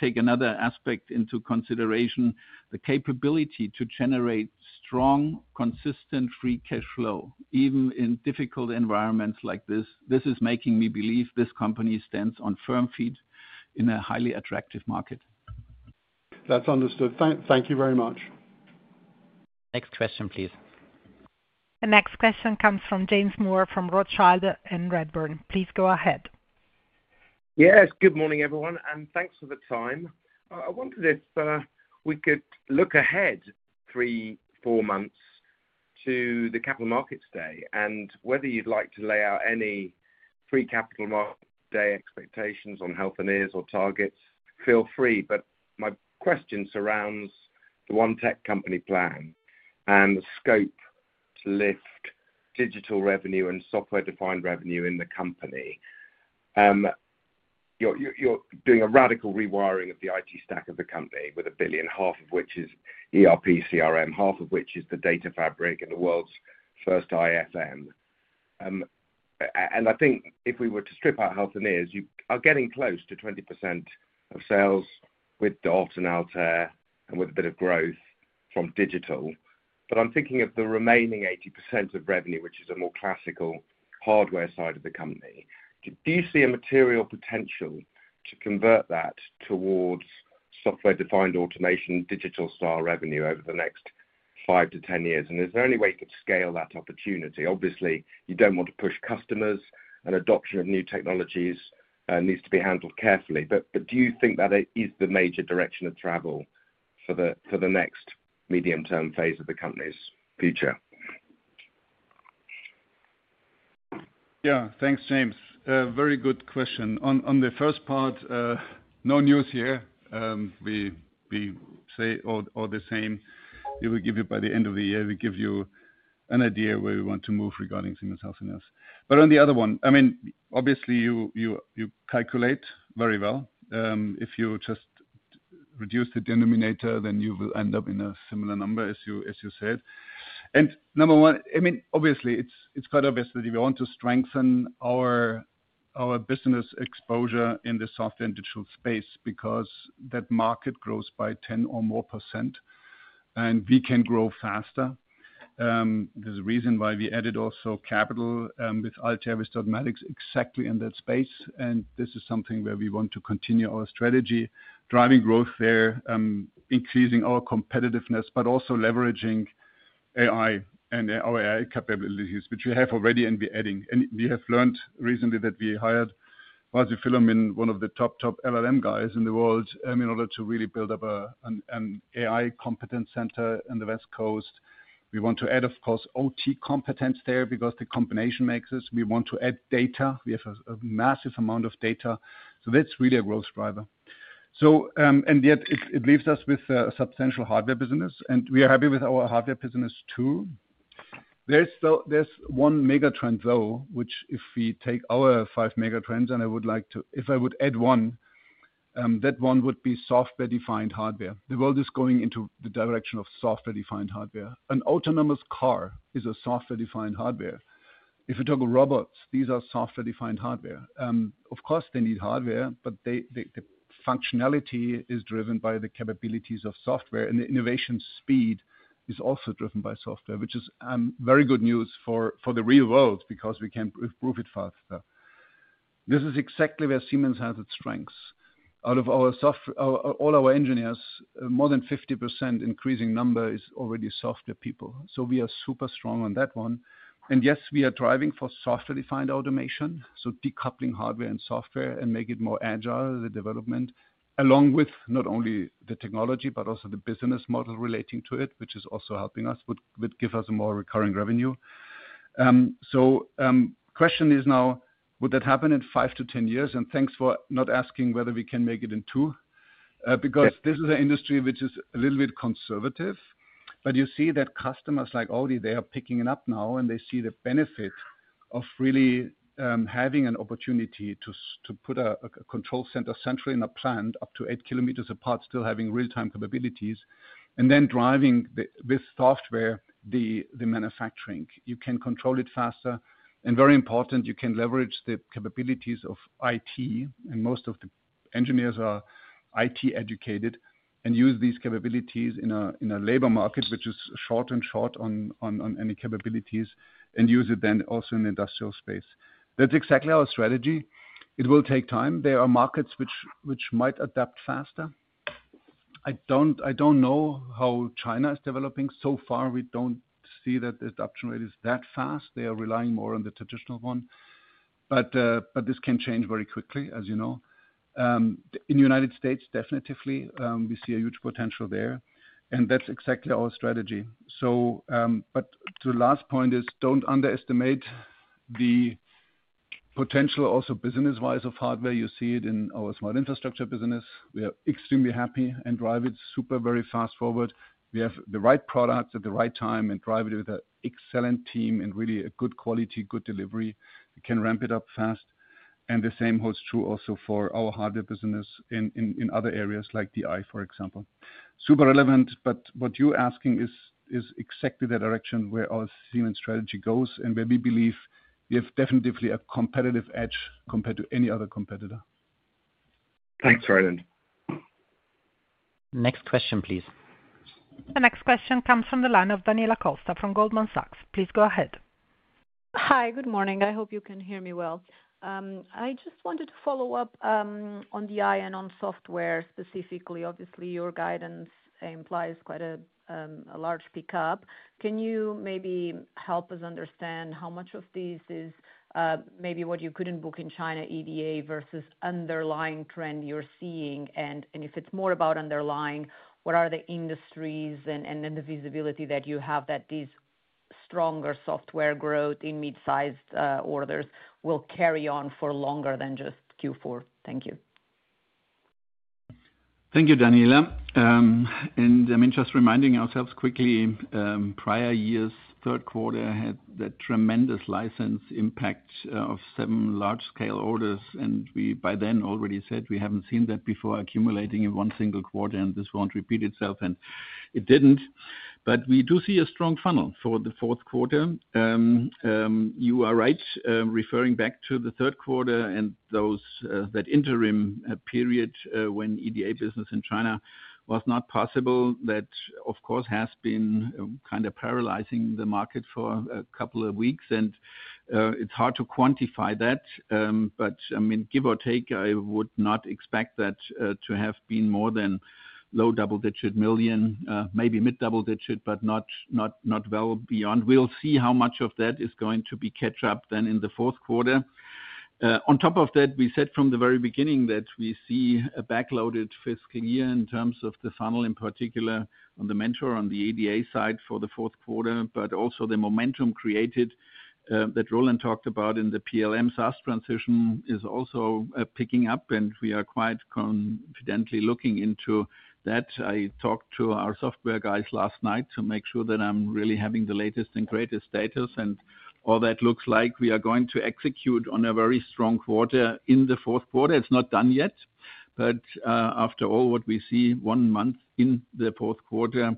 take another aspect into consideration, the capability to generate strong, consistent free cash flow, even in difficult environments like this. This is making me believe this company stands on firm feet in a highly attractive market. That's understood. Thank you very much. Next question, please. The next question comes from James Moore from Rothschild & Co Redburn. Please go ahead. Yes, good morning, everyone, and thanks for the time. I wondered if we could look ahead three, four months to the Capital Markets Day and whether you'd like to lay out any pre-Capital Markets Day expectations on helping or targets. Feel free, but my question surrounds the one tech company plan and the scope to lift digital revenue and software-defined revenue in the company. You're doing a radical rewiring of the IT stack of the company with a billion, half of which is ERP, CRM, half of which is the data fabric and the world's first IFM. I think if we were to strip out Healthineers, you are getting close to 20% of sales with Doves and Altair and with a bit of growth from digital. I'm thinking of the remaining 80% of revenue, which is a more classical hardware side of the company. Do you see a material potential to convert that towards software-defined automation, digital-style revenue over the next five to ten years? Is there any way you could scale that opportunity? Obviously, you don't want to push customers, and adoption of new technologies needs to be handled carefully. Do you think that is the major direction of travel for the next medium-term phase of the company's future? Yeah, thanks, James. Very good question. On the first part, no news here. We say all the same. We will give you by the end of the year, we give you an idea where we want to move regarding Siemens Healthineers. On the other one, obviously, you calculate very well. If you just reduce the denominator, then you will end up in a similar number, as you said. Number one, obviously, it's quite obvious that we want to strengthen our business exposure in the software and digital space because that market grows by 10% or more, and we can grow faster. There's a reason why we added also capital with Altair, with Dotmatics, exactly in that space. This is something where we want to continue our strategy, driving growth there, increasing our competitiveness, but also leveraging AI and our AI capabilities, which we have already and we're adding. We have learned recently that we hired, once we fill them in, one of the top, top LLM guys in the world in order to really build up an AI competence center in the West Coast. We want to add, of course, OT competence there because the combination makes us. We want to add data. We have a massive amount of data. That's really a growth driver. It leaves us with a substantial hardware business, and we are happy with our hardware business too. There's one megatrend, though, which if we take our five megatrends, and I would like to, if I would add one, that one would be software-defined hardware. The world is going into the direction of software-defined hardware. An autonomous car is a software-defined hardware. If you talk of robots, these are software-defined hardware. Of course, they need hardware, but the functionality is driven by the capabilities of software, and the innovation speed is also driven by software, which is very good news for the real world because we can improve it faster. This is exactly where Siemens has its strengths. Out of all our engineers, more than 50%, increasing number, is already software people. We are super strong on that one. Yes, we are driving for software-defined automation, so decoupling hardware and software and make it more agile, the development, along with not only the technology, but also the business model relating to it, which is also helping us, would give us a more recurring revenue. The question is now, would that happen in five to ten years? Thanks for not asking whether we can make it in two, because this is an industry which is a little bit conservative. You see that customers like Audi, they are picking it up now, and they see the benefit of really having an opportunity to put a control center centrally in a plant up to eight kilometers apart, still having real-time capabilities, and then driving with software the manufacturing. You can control it faster. Very important, you can leverage the capabilities of IT, and most of the engineers are IT-educated and use these capabilities in a labor market, which is short and short on any capabilities, and use it then also in the industrial space. That's exactly our strategy. It will take time. There are markets which might adapt faster. I don't know how China is developing. So far, we don't see that the adoption rate is that fast. They are relying more on the traditional one. This can change very quickly, as you know. In the United States, definitely, we see a huge potential there. That's exactly our strategy. The last point is, don't underestimate the potential also business-wise of hardware. You see it in our Smart Infrastructure business. We are extremely happy and drive it super very fast forward. We have the right products at the right time and drive it with an excellent team and really a good quality, good delivery. We can ramp it up fast. The same holds true also for our hardware business in other areas like DI, for example. Super relevant, but what you're asking is exactly the direction where our Siemens strategy goes and where we believe we have definitely a competitive edge compared to any other competitor. Thanks, Roland. Next question, please. The next question comes from the line of Daniela Costa from Goldman Sachs. Please go ahead. Hi, good morning. I hope you can hear me well. I just wanted to follow up on DI and on software specifically. Obviously, your guidance implies quite a large pickup. Can you maybe help us understand how much of this is maybe what you couldn't book in China, EDA versus underlying trend you're seeing? If it's more about underlying, what are the industries and the visibility that you have that this stronger software growth in mid-sized orders will carry on for longer than just Q4? Thank you. Thank you, Daniela. Just reminding ourselves quickly, prior years, third quarter had that tremendous license impact of seven large-scale orders. We by then already said we haven't seen that before accumulating in one single quarter, and this won't repeat itself, and it didn't. We do see a strong funnel for the fourth quarter. You are right, referring back to the third quarter and that interim period when EDA business in China was not possible, that of course has been kind of paralyzing the market for a couple of weeks. It's hard to quantify that. Give or take, I would not expect that to have been more than low double-digit million, maybe mid-double digit, but not well beyond. We'll see how much of that is going to be catch-up then in the fourth quarter. On top of that, we said from the very beginning that we see a backloaded fiscal year in terms of the funnel in particular on the Mentor, on the EDA side for the fourth quarter, but also the momentum created that Roland talked about in the PLM SaaS transition is also picking up. We are quite confidently looking into that. I talked to our software guys last night to make sure that I'm really having the latest and greatest data. All that looks like we are going to execute on a very strong quarter in the fourth quarter. It's not done yet. After all, what we see one month in the fourth quarter,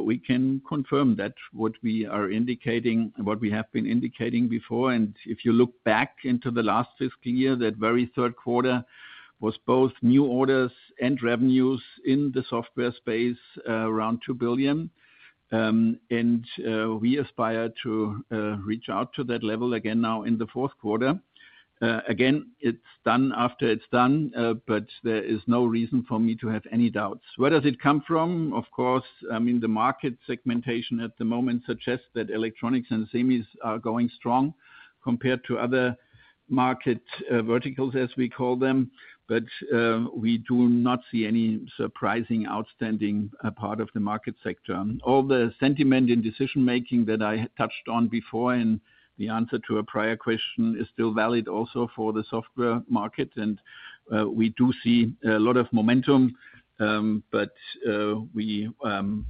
we can confirm that what we are indicating, what we have been indicating before. If you look back into the last fiscal year, that very third quarter was both new orders and revenues in the software space around 2 billion. We aspire to reach out to that level again now in the fourth quarter. Again, it's done after it's done, but there is no reason for me to have any doubts. Where does it come from? The market segmentation at the moment suggests that electronics and semis are going strong compared to other market verticals, as we call them. We do not see any surprising outstanding part of the market sector. All the sentiment in decision-making that I touched on before and the answer to a prior question is still valid also for the software market. We do see a lot of momentum, but we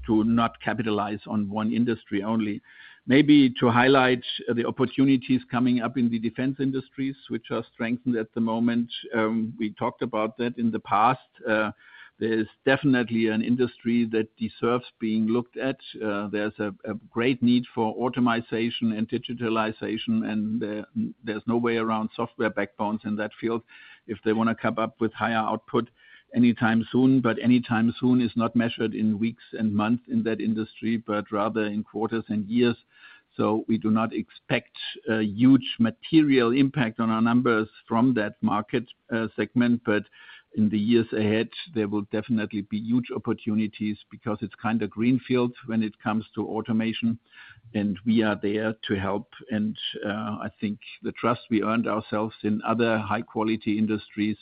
do not capitalize on one industry only. Maybe to highlight the opportunities coming up in the defense industries, which are strengthened at the moment. We talked about that in the past. There's definitely an industry that deserves being looked at. There is a great need for automation and digitalization, and there is no way around software backbones in that field if they want to come up with higher output anytime soon. Anytime soon is not measured in weeks and months in that industry, but rather in quarters and years. We do not expect a huge material impact on our numbers from that market segment. In the years ahead, there will definitely be huge opportunities because it is kind of greenfield when it comes to automation. We are there to help. I think the trust we earned ourselves in other high-quality industries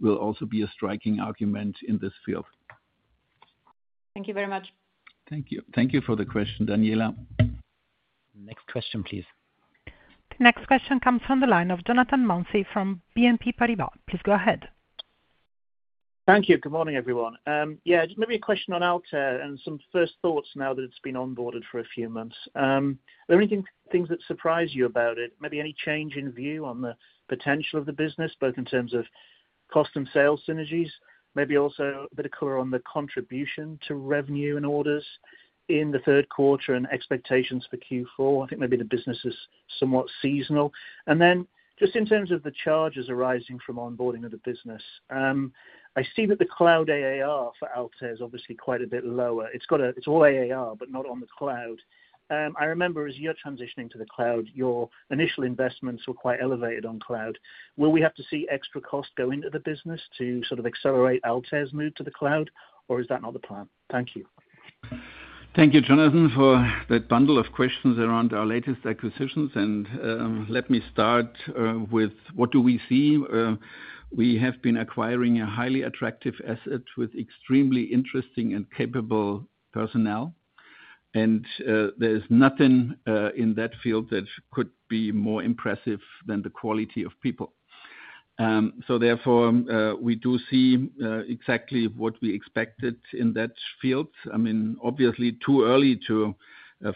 will also be a striking argument in this field. Thank you very much. Thank you. Thank you for the question, Daniela. Next question, please. The next question comes from the line of [Jonathan Monsie] from BNP Paribas. Please go ahead. Thank you. Good morning, everyone. Just maybe a question on Altair and some first thoughts now that it's been onboarded for a few months. Are there any things that surprise you about it? Maybe any change in view on the potential of the business, both in terms of cost and sales synergies? Maybe also a bit of color on the contribution to revenue and orders in the third quarter and expectations for Q4. I think maybe the business is somewhat seasonal. In terms of the charges arising from onboarding of the business, I see that the cloud ARR for Altair is obviously quite a bit lower. It's all ARR, but not on the cloud. I remember as you're transitioning to the cloud, your initial investments were quite elevated on cloud. Will we have to see extra cost go into the business to sort of accelerate Altair's move to the cloud, or is that not the plan? Thank you. Thank you, Jonathan, for that bundle of questions around our latest acquisitions. Let me start with what do we see? We have been acquiring a highly attractive asset with extremely interesting and capable personnel. There is nothing in that field that could be more impressive than the quality of people. Therefore, we do see exactly what we expected in that field. I mean, obviously, it is too early to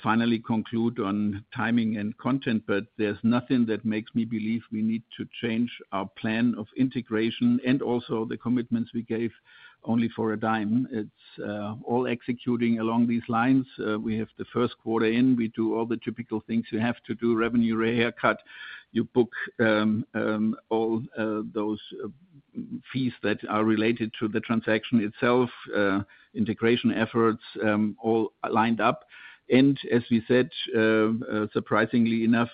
finally conclude on timing and content, but there is nothing that makes me believe we need to change our plan of integration and also the commitments we gave only for a dime. It is all executing along these lines. We have the first quarter in. We do all the typical things you have to do: revenue rehaircut, you book all those fees that are related to the transaction itself, integration efforts, all lined up. As we said, surprisingly enough,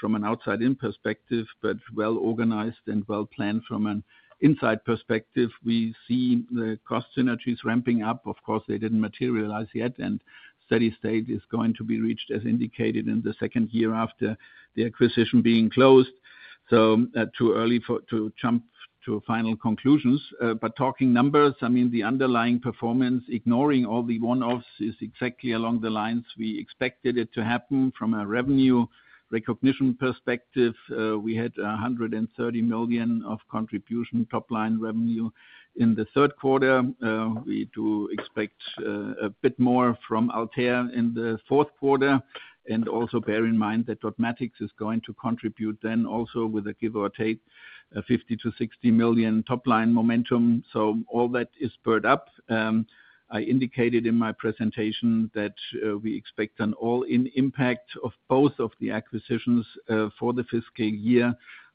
from an outside-in perspective, but well organized and well planned from an inside perspective, we see the cost synergies ramping up. Of course, they did not materialize yet, and steady state is going to be reached, as indicated, in the second year after the acquisition being closed. It is too early to jump to final conclusions. Talking numbers, I mean, the underlying performance, ignoring all the one-offs, is exactly along the lines we expected it to happen. From a revenue recognition perspective, we had $130 million of contribution top-line revenue in the third quarter. We do expect a bit more from Altair in the fourth quarter. Also bear in mind that Dotmatics is going to contribute then also with a give or take 50 million-60 million top-line momentum. All that is spurred up. I indicated in my presentation that we expect an all-in impact of both of the acquisitions for the fiscal year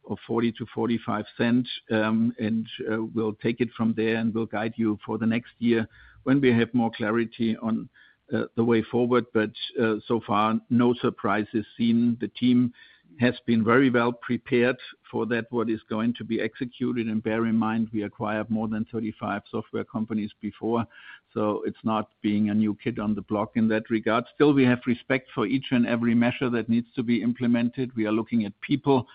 of 0.40-0.45. We will take it from there, and we will guide you for the next year when we have more clarity on the way forward. So far, no surprises seen. The team has been very well prepared for that, what is going to be executed. Bear in mind, we acquired more than 35 software companies before. It is not being a new kid on the block in that regard. Still, we have respect for each and every measure that needs to be implemented. We are looking at people.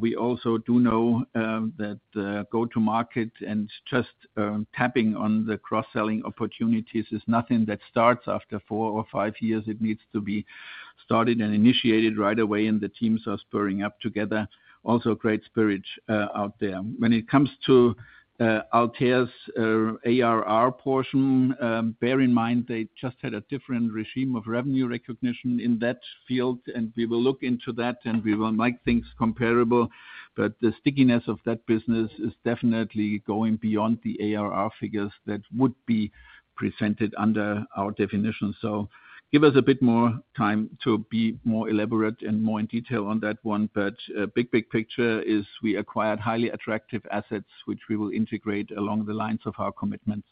We also do know that go-to-market and just tapping on the cross-selling opportunities is nothing that starts after four or five years. It needs to be started and initiated right away, and the teams are spurring up together. Also, great spirit out there. When it comes to Altair's ARR portion, bear in mind they just had a different regime of revenue recognition in that field. We will look into that, and we will make things comparable. The stickiness of that business is definitely going beyond the ARR figures that would be presented under our definition. Give us a bit more time to be more elaborate and more in detail on that one. The big, big picture is we acquired highly attractive assets, which we will integrate along the lines of our commitments.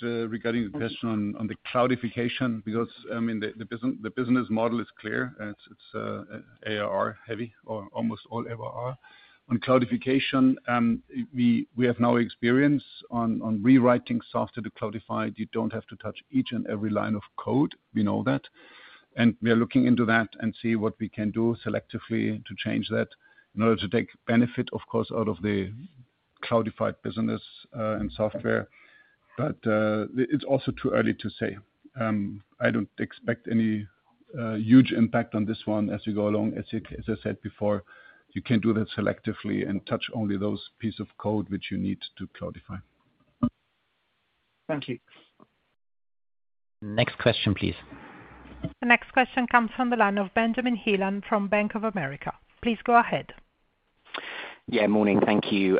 Regarding the question on the cloudification, the business model is clear. It's ARR heavy, or almost all ARR. On cloudification, we have no experience on rewriting software to cloudify. You don't have to touch each and every line of code. We know that. We are looking into that and see what we can do selectively to change that in order to take benefit, of course, out of the cloudified business and software. It's also too early to say. I don't expect any huge impact on this one as you go along. As I said before, you can't do that selectively and touch only those pieces of code which you need to cloudify. Thank you. Next question, please. The next question comes from the line of Benjamin Heelan from Bank of America. Please go ahead. Yeah, morning. Thank you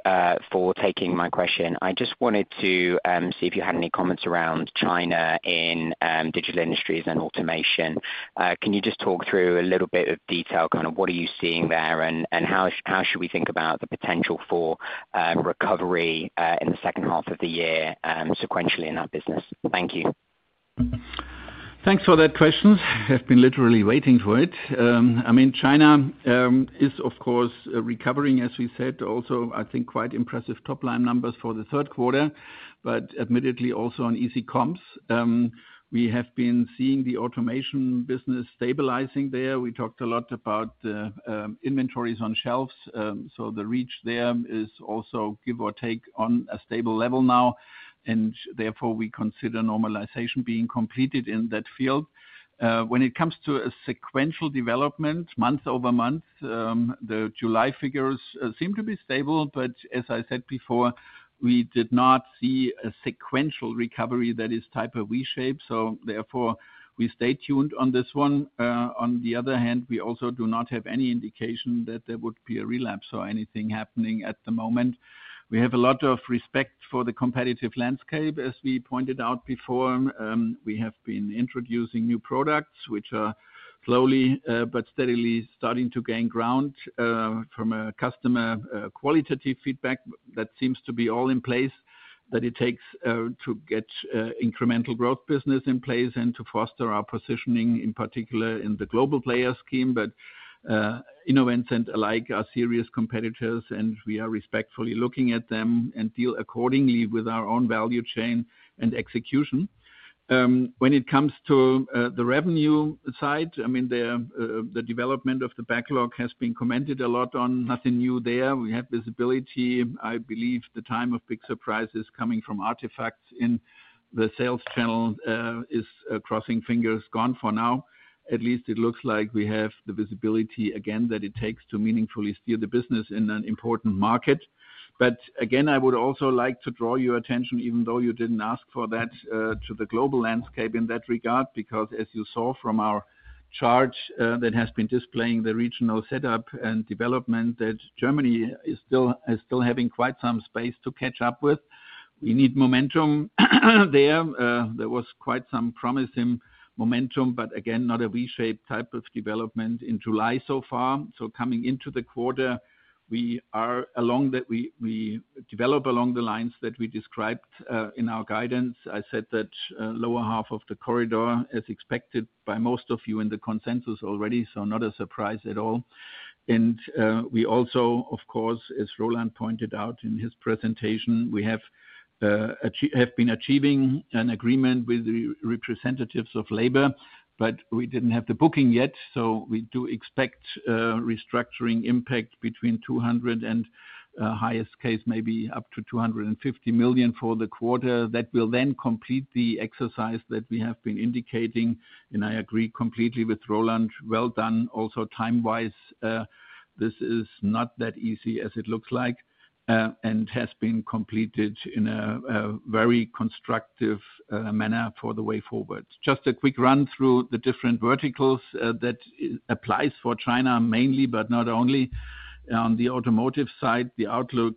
for taking my question. I just wanted to see if you had any comments around China in Digital Industries and automation. Can you just talk through a little bit of detail? What are you seeing there and how should we think about the potential for recovery in the second half of the year sequentially in that business? Thank you. Thanks for that question. I've been literally waiting for it. I mean, China is, of course, recovering, as we said. Also, I think quite impressive top-line numbers for the third quarter, but admittedly also on easy comps. We have been seeing the automation business stabilizing there. We talked a lot about the inventories on shelves. The reach there is also, give or take, on a stable level now. Therefore, we consider normalization being completed in that field. When it comes to a sequential development month over month, the July figures seem to be stable. As I said before, we did not see a sequential recovery that is type of reshape. We stay tuned on this one. On the other hand, we also do not have any indication that there would be a relapse or anything happening at the moment. We have a lot of respect for the competitive landscape. As we pointed out before, we have been introducing new products, which are slowly but steadily starting to gain ground. From a customer qualitative feedback, that seems to be all in place, that it takes to get incremental growth business in place and to foster our positioning, in particular in the global player scheme. Inovance and alike are serious competitors, and we are respectfully looking at them and deal accordingly with our own value chain and execution. When it comes to the revenue side, the development of the backlog has been commented a lot on. Nothing new there. We have visibility. I believe the time of big surprises coming from artifacts in the sales channel is, crossing fingers, gone for now. At least it looks like we have the visibility again that it takes to meaningfully steer the business in an important market. I would also like to draw your attention, even though you didn't ask for that, to the global landscape in that regard, because as you saw from our chart that has been displaying the regional setup and development, Germany is still having quite some space to catch up with. We need momentum there. There was quite some promising momentum, but again, not a reshaped type of development in July so far. Coming into the quarter, we develop along the lines that we described in our guidance. I said that lower half of the corridor, as expected by most of you in the consensus already, so not a surprise at all. We also, of course, as Roland pointed out in his presentation, have been achieving an agreement with the representatives of labor, but we didn't have the booking yet. We do expect restructuring impact between 200 million and, in the highest case, maybe up to 250 million for the quarter. That will then complete the exercise that we have been indicating. I agree completely with Roland. Well done. Also, time-wise, this is not that easy as it looks like and has been completed in a very constructive manner for the way forward. Just a quick run through the different verticals that apply for China mainly, but not only. On the automotive side, the outlook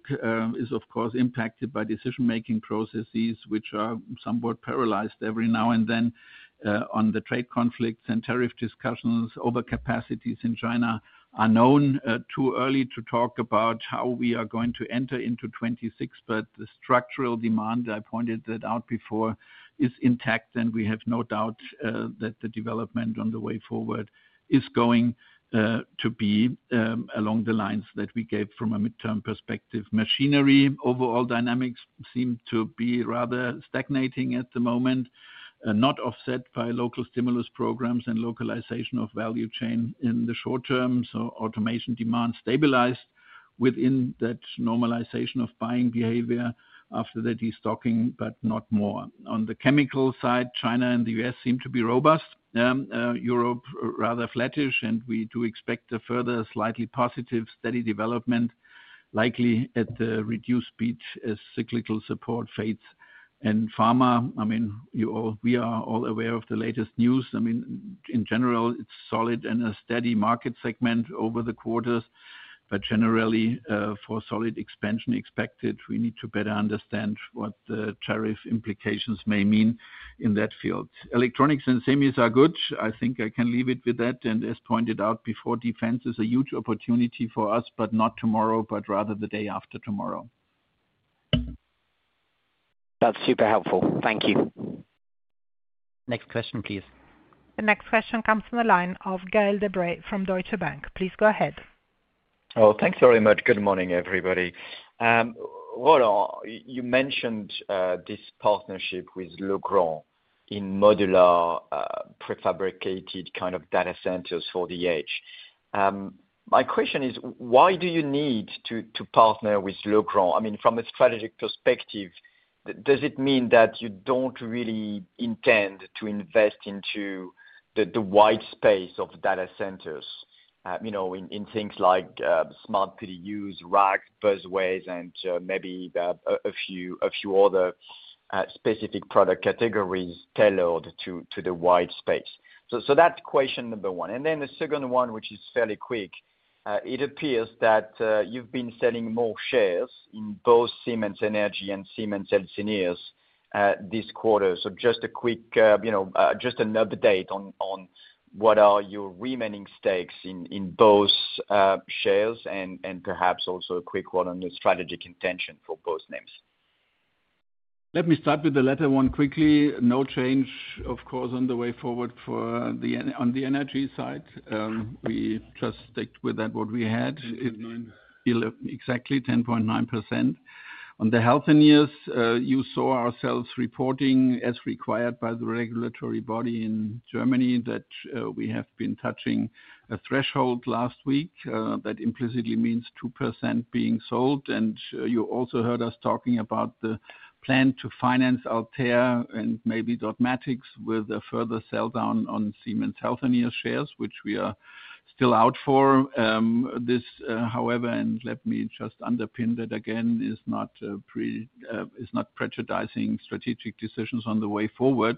is, of course, impacted by decision-making processes, which are somewhat paralyzed every now and then. The trade conflicts and tariff discussions, overcapacities in China are known. It is too early to talk about how we are going to enter into 2026, but the structural demand, I pointed that out before, is intact, and we have no doubt that the development on the way forward is going to be along the lines that we gave from a midterm perspective. Machinery overall dynamics seem to be rather stagnating at the moment, not offset by local stimulus programs and localization of value chain in the short term. Automation demand stabilized within that normalization of buying behavior after the destocking, but not more. On the chemical side, China and the U.S. seem to be robust. Europe is rather flattish, and we do expect a further slightly positive steady development, likely at the reduced speed as cyclical support fades. Pharma, I mean, we are all aware of the latest news. In general, it's solid and a steady market segment over the quarters. Generally, for solid expansion expected, we need to better understand what the tariff implications may mean in that field. Electronics and semis are good. I think I can leave it with that. As pointed out before, defense is a huge opportunity for us, but not tomorrow, but rather the day after tomorrow. That's super helpful. Thank you. Next question, please. The next question comes from the line of Gael de-Bray from Deutsche Bank. Please go ahead. Oh, thanks very much. Good morning, everybody. Roland, you mentioned this partnership with Legrand in modular prefabricated kind of data centers for the edge. My question is, why do you need to partner with Legrand? I mean, from a strategic perspective, does it mean that you don't really intend to invest into the wide space of data centers? You know, in things like smart PDUs, racks, busways, and maybe a few other specific product categories tailored to the wide space. That's question number one. The second one, which is fairly quick, it appears that you've been selling more shares in both Siemens Energy and Siemens Healthineers this quarter. Just a quick, you know, just an update on what are your remaining stakes in both shares and perhaps also a quick one on the strategic intention for both names. Let me start with the latter one quickly. No change, of course, on the way forward for the energy side. We just stick with that what we had. 11. Exactly, 10.9%. On the Healthineers, you saw ourselves reporting as required by the regulatory body in Germany that we have been touching a threshold last week. That implicitly means 2% being sold. You also heard us talking about the plan to finance Altair and maybe Dotmatics with a further sell down on Siemens Healthineers shares, which we are still out for. This, however, and let me just underpin that again, is not prejudicing strategic decisions on the way forward.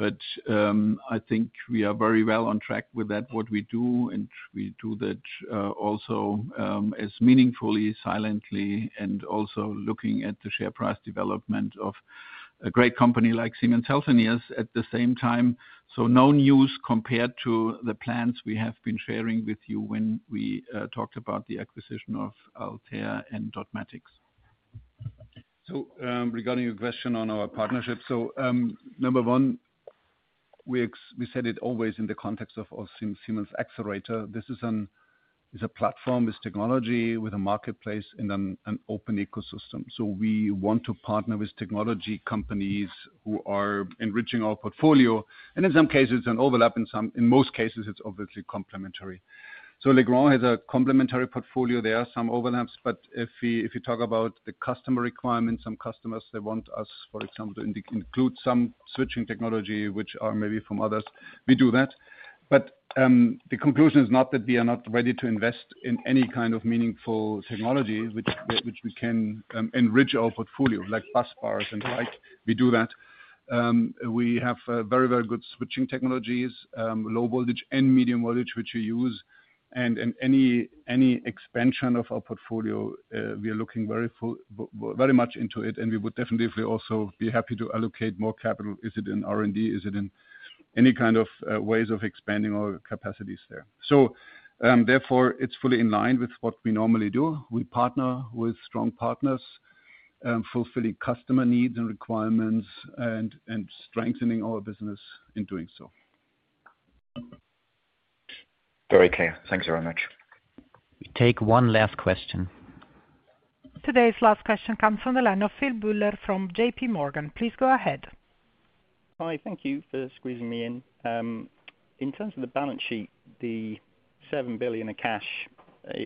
I think we are very well on track with that, what we do, and we do that also as meaningfully, silently, and also looking at the share price development of a great company like Siemens Healthineers at the same time. No news compared to the plans we have been sharing with you when we talked about the acquisition of Altair and Dotmatics. Regarding your question on our partnership, number one, we said it always in the context of our Siemens Xcelerator. This is a platform, this technology with a marketplace and an open ecosystem. We want to partner with technology companies who are enriching our portfolio. In some cases, it's an overlap; in most cases, it's obviously complementary. Legrand has a complementary portfolio. There are some overlaps, but if you talk about the customer requirements, some customers, they want us, for example, to include some switching technology, which are maybe from others. We do that. The conclusion is not that we are not ready to invest in any kind of meaningful technology which we can enrich our portfolio, like bus bars and the like. We do that. We have very, very good switching technologies, low voltage and medium voltage, which we use. Any expansion of our portfolio, we are looking very much into it. We would definitely also be happy to allocate more capital. Is it in R&D? Is it in any kind of ways of expanding our capacities there? Therefore, it's fully in line with what we normally do. We partner with strong partners, fulfilling customer needs and requirements, and strengthening our business in doing so. Very clear. Thanks very much. We take one last question. Today's last question comes from the line of [Philip Buller] from JPMorgan. Please go ahead. Hi, thank you for squeezing me in. In terms of the balance sheet, the 7 billion of cash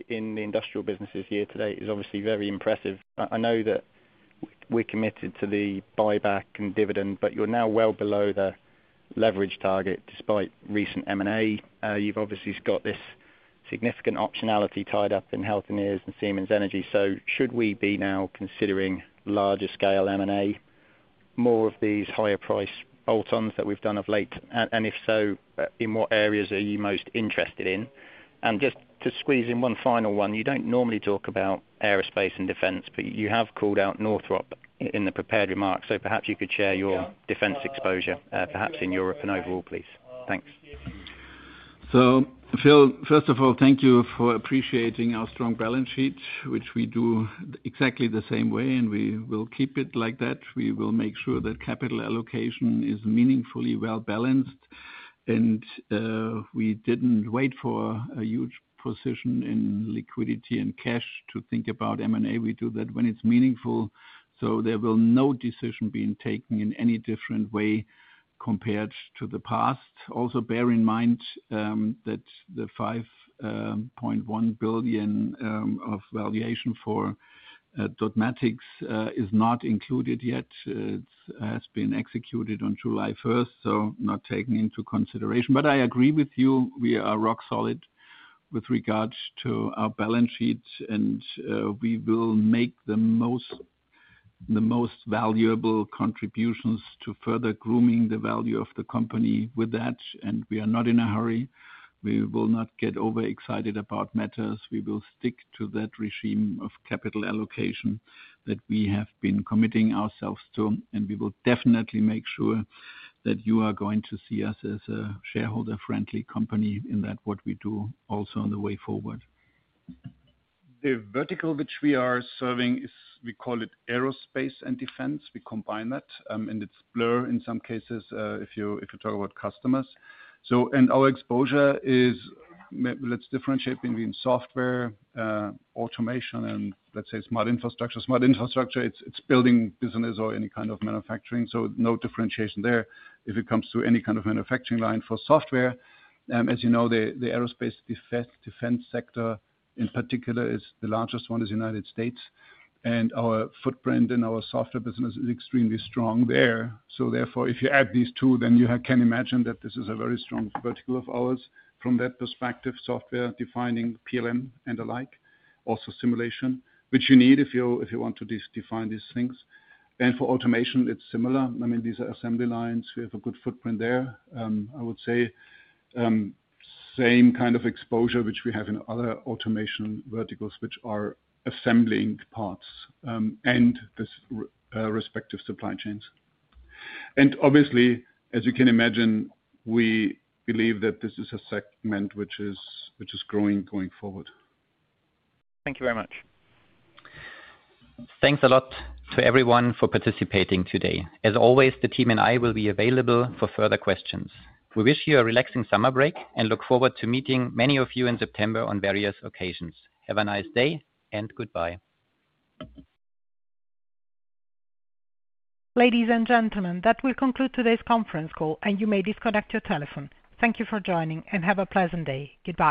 in the industrial businesses here today is obviously very impressive. I know that we're committed to the buyback and dividend, but you're now well below the leverage target despite recent M&A. You've obviously got this significant optionality tied up in Healthineers and Siemens Energy. Should we be now considering larger scale M&A, more of these higher priced Boltons that we kind of... of late. If so, in what areas are you most interested in? Just to squeeze in one final one, you don't normally talk about aerospace and defense, but you have called out Northrop in the prepared remarks. Perhaps you could share your defense exposure, perhaps in Europe and overall, please. Thanks. Phil, first of all, thank you for appreciating our strong balance sheet, which we do exactly the same way, and we will keep it like that. We will make sure that capital allocation is meaningfully well balanced. We did not wait for a huge position in liquidity and cash to think about M&A. We do that when it's meaningful. There will be no decision being taken in any different way compared to the past. Also, bear in mind that the 5.1 billion valuation for Dotmatics is not included yet. It has been executed on July 1, so not taken into consideration. I agree with you. We are rock solid with regards to our balance sheet, and we will make the most valuable contributions to further grooming the value of the company with that. We are not in a hurry. We will not get overexcited about matters. We will stick to that regime of capital allocation that we have been committing ourselves to. We will definitely make sure that you are going to see us as a shareholder-friendly company in what we do also on the way forward. The vertical which we are serving is, we call it aerospace and defense. We combine that, and it's blurred in some cases if you talk about customers. Our exposure is, let's differentiate between software, automation, and let's say Smart Infrastructure. Smart Infrastructure, it's building business or any kind of manufacturing. No differentiation there if it comes to any kind of manufacturing line for software. As you know, the aerospace defense sector in particular is the largest one in the United States. Our footprint in our software business is extremely strong there. Therefore, if you add these two, then you can imagine that this is a very strong vertical of ours. From that perspective, software defining PLM and the like, also simulation, which you need if you want to define these things. For automation, it's similar. These are assembly lines. We have a good footprint there. I would say same kind of exposure which we have in other automation verticals, which are assembling parts and the respective supply chains. Obviously, as you can imagine, we believe that this is a segment which is growing going forward. Thank you very much. Thanks a lot to everyone for participating today. As always, the team and I will be available for further questions. We wish you a relaxing summer break and look forward to meeting many of you in September on various occasions. Have a nice day and goodbye. Ladies and gentlemen, that will conclude today's conference call, and you may disconnect your telephone. Thank you for joining and have a pleasant day. Goodbye.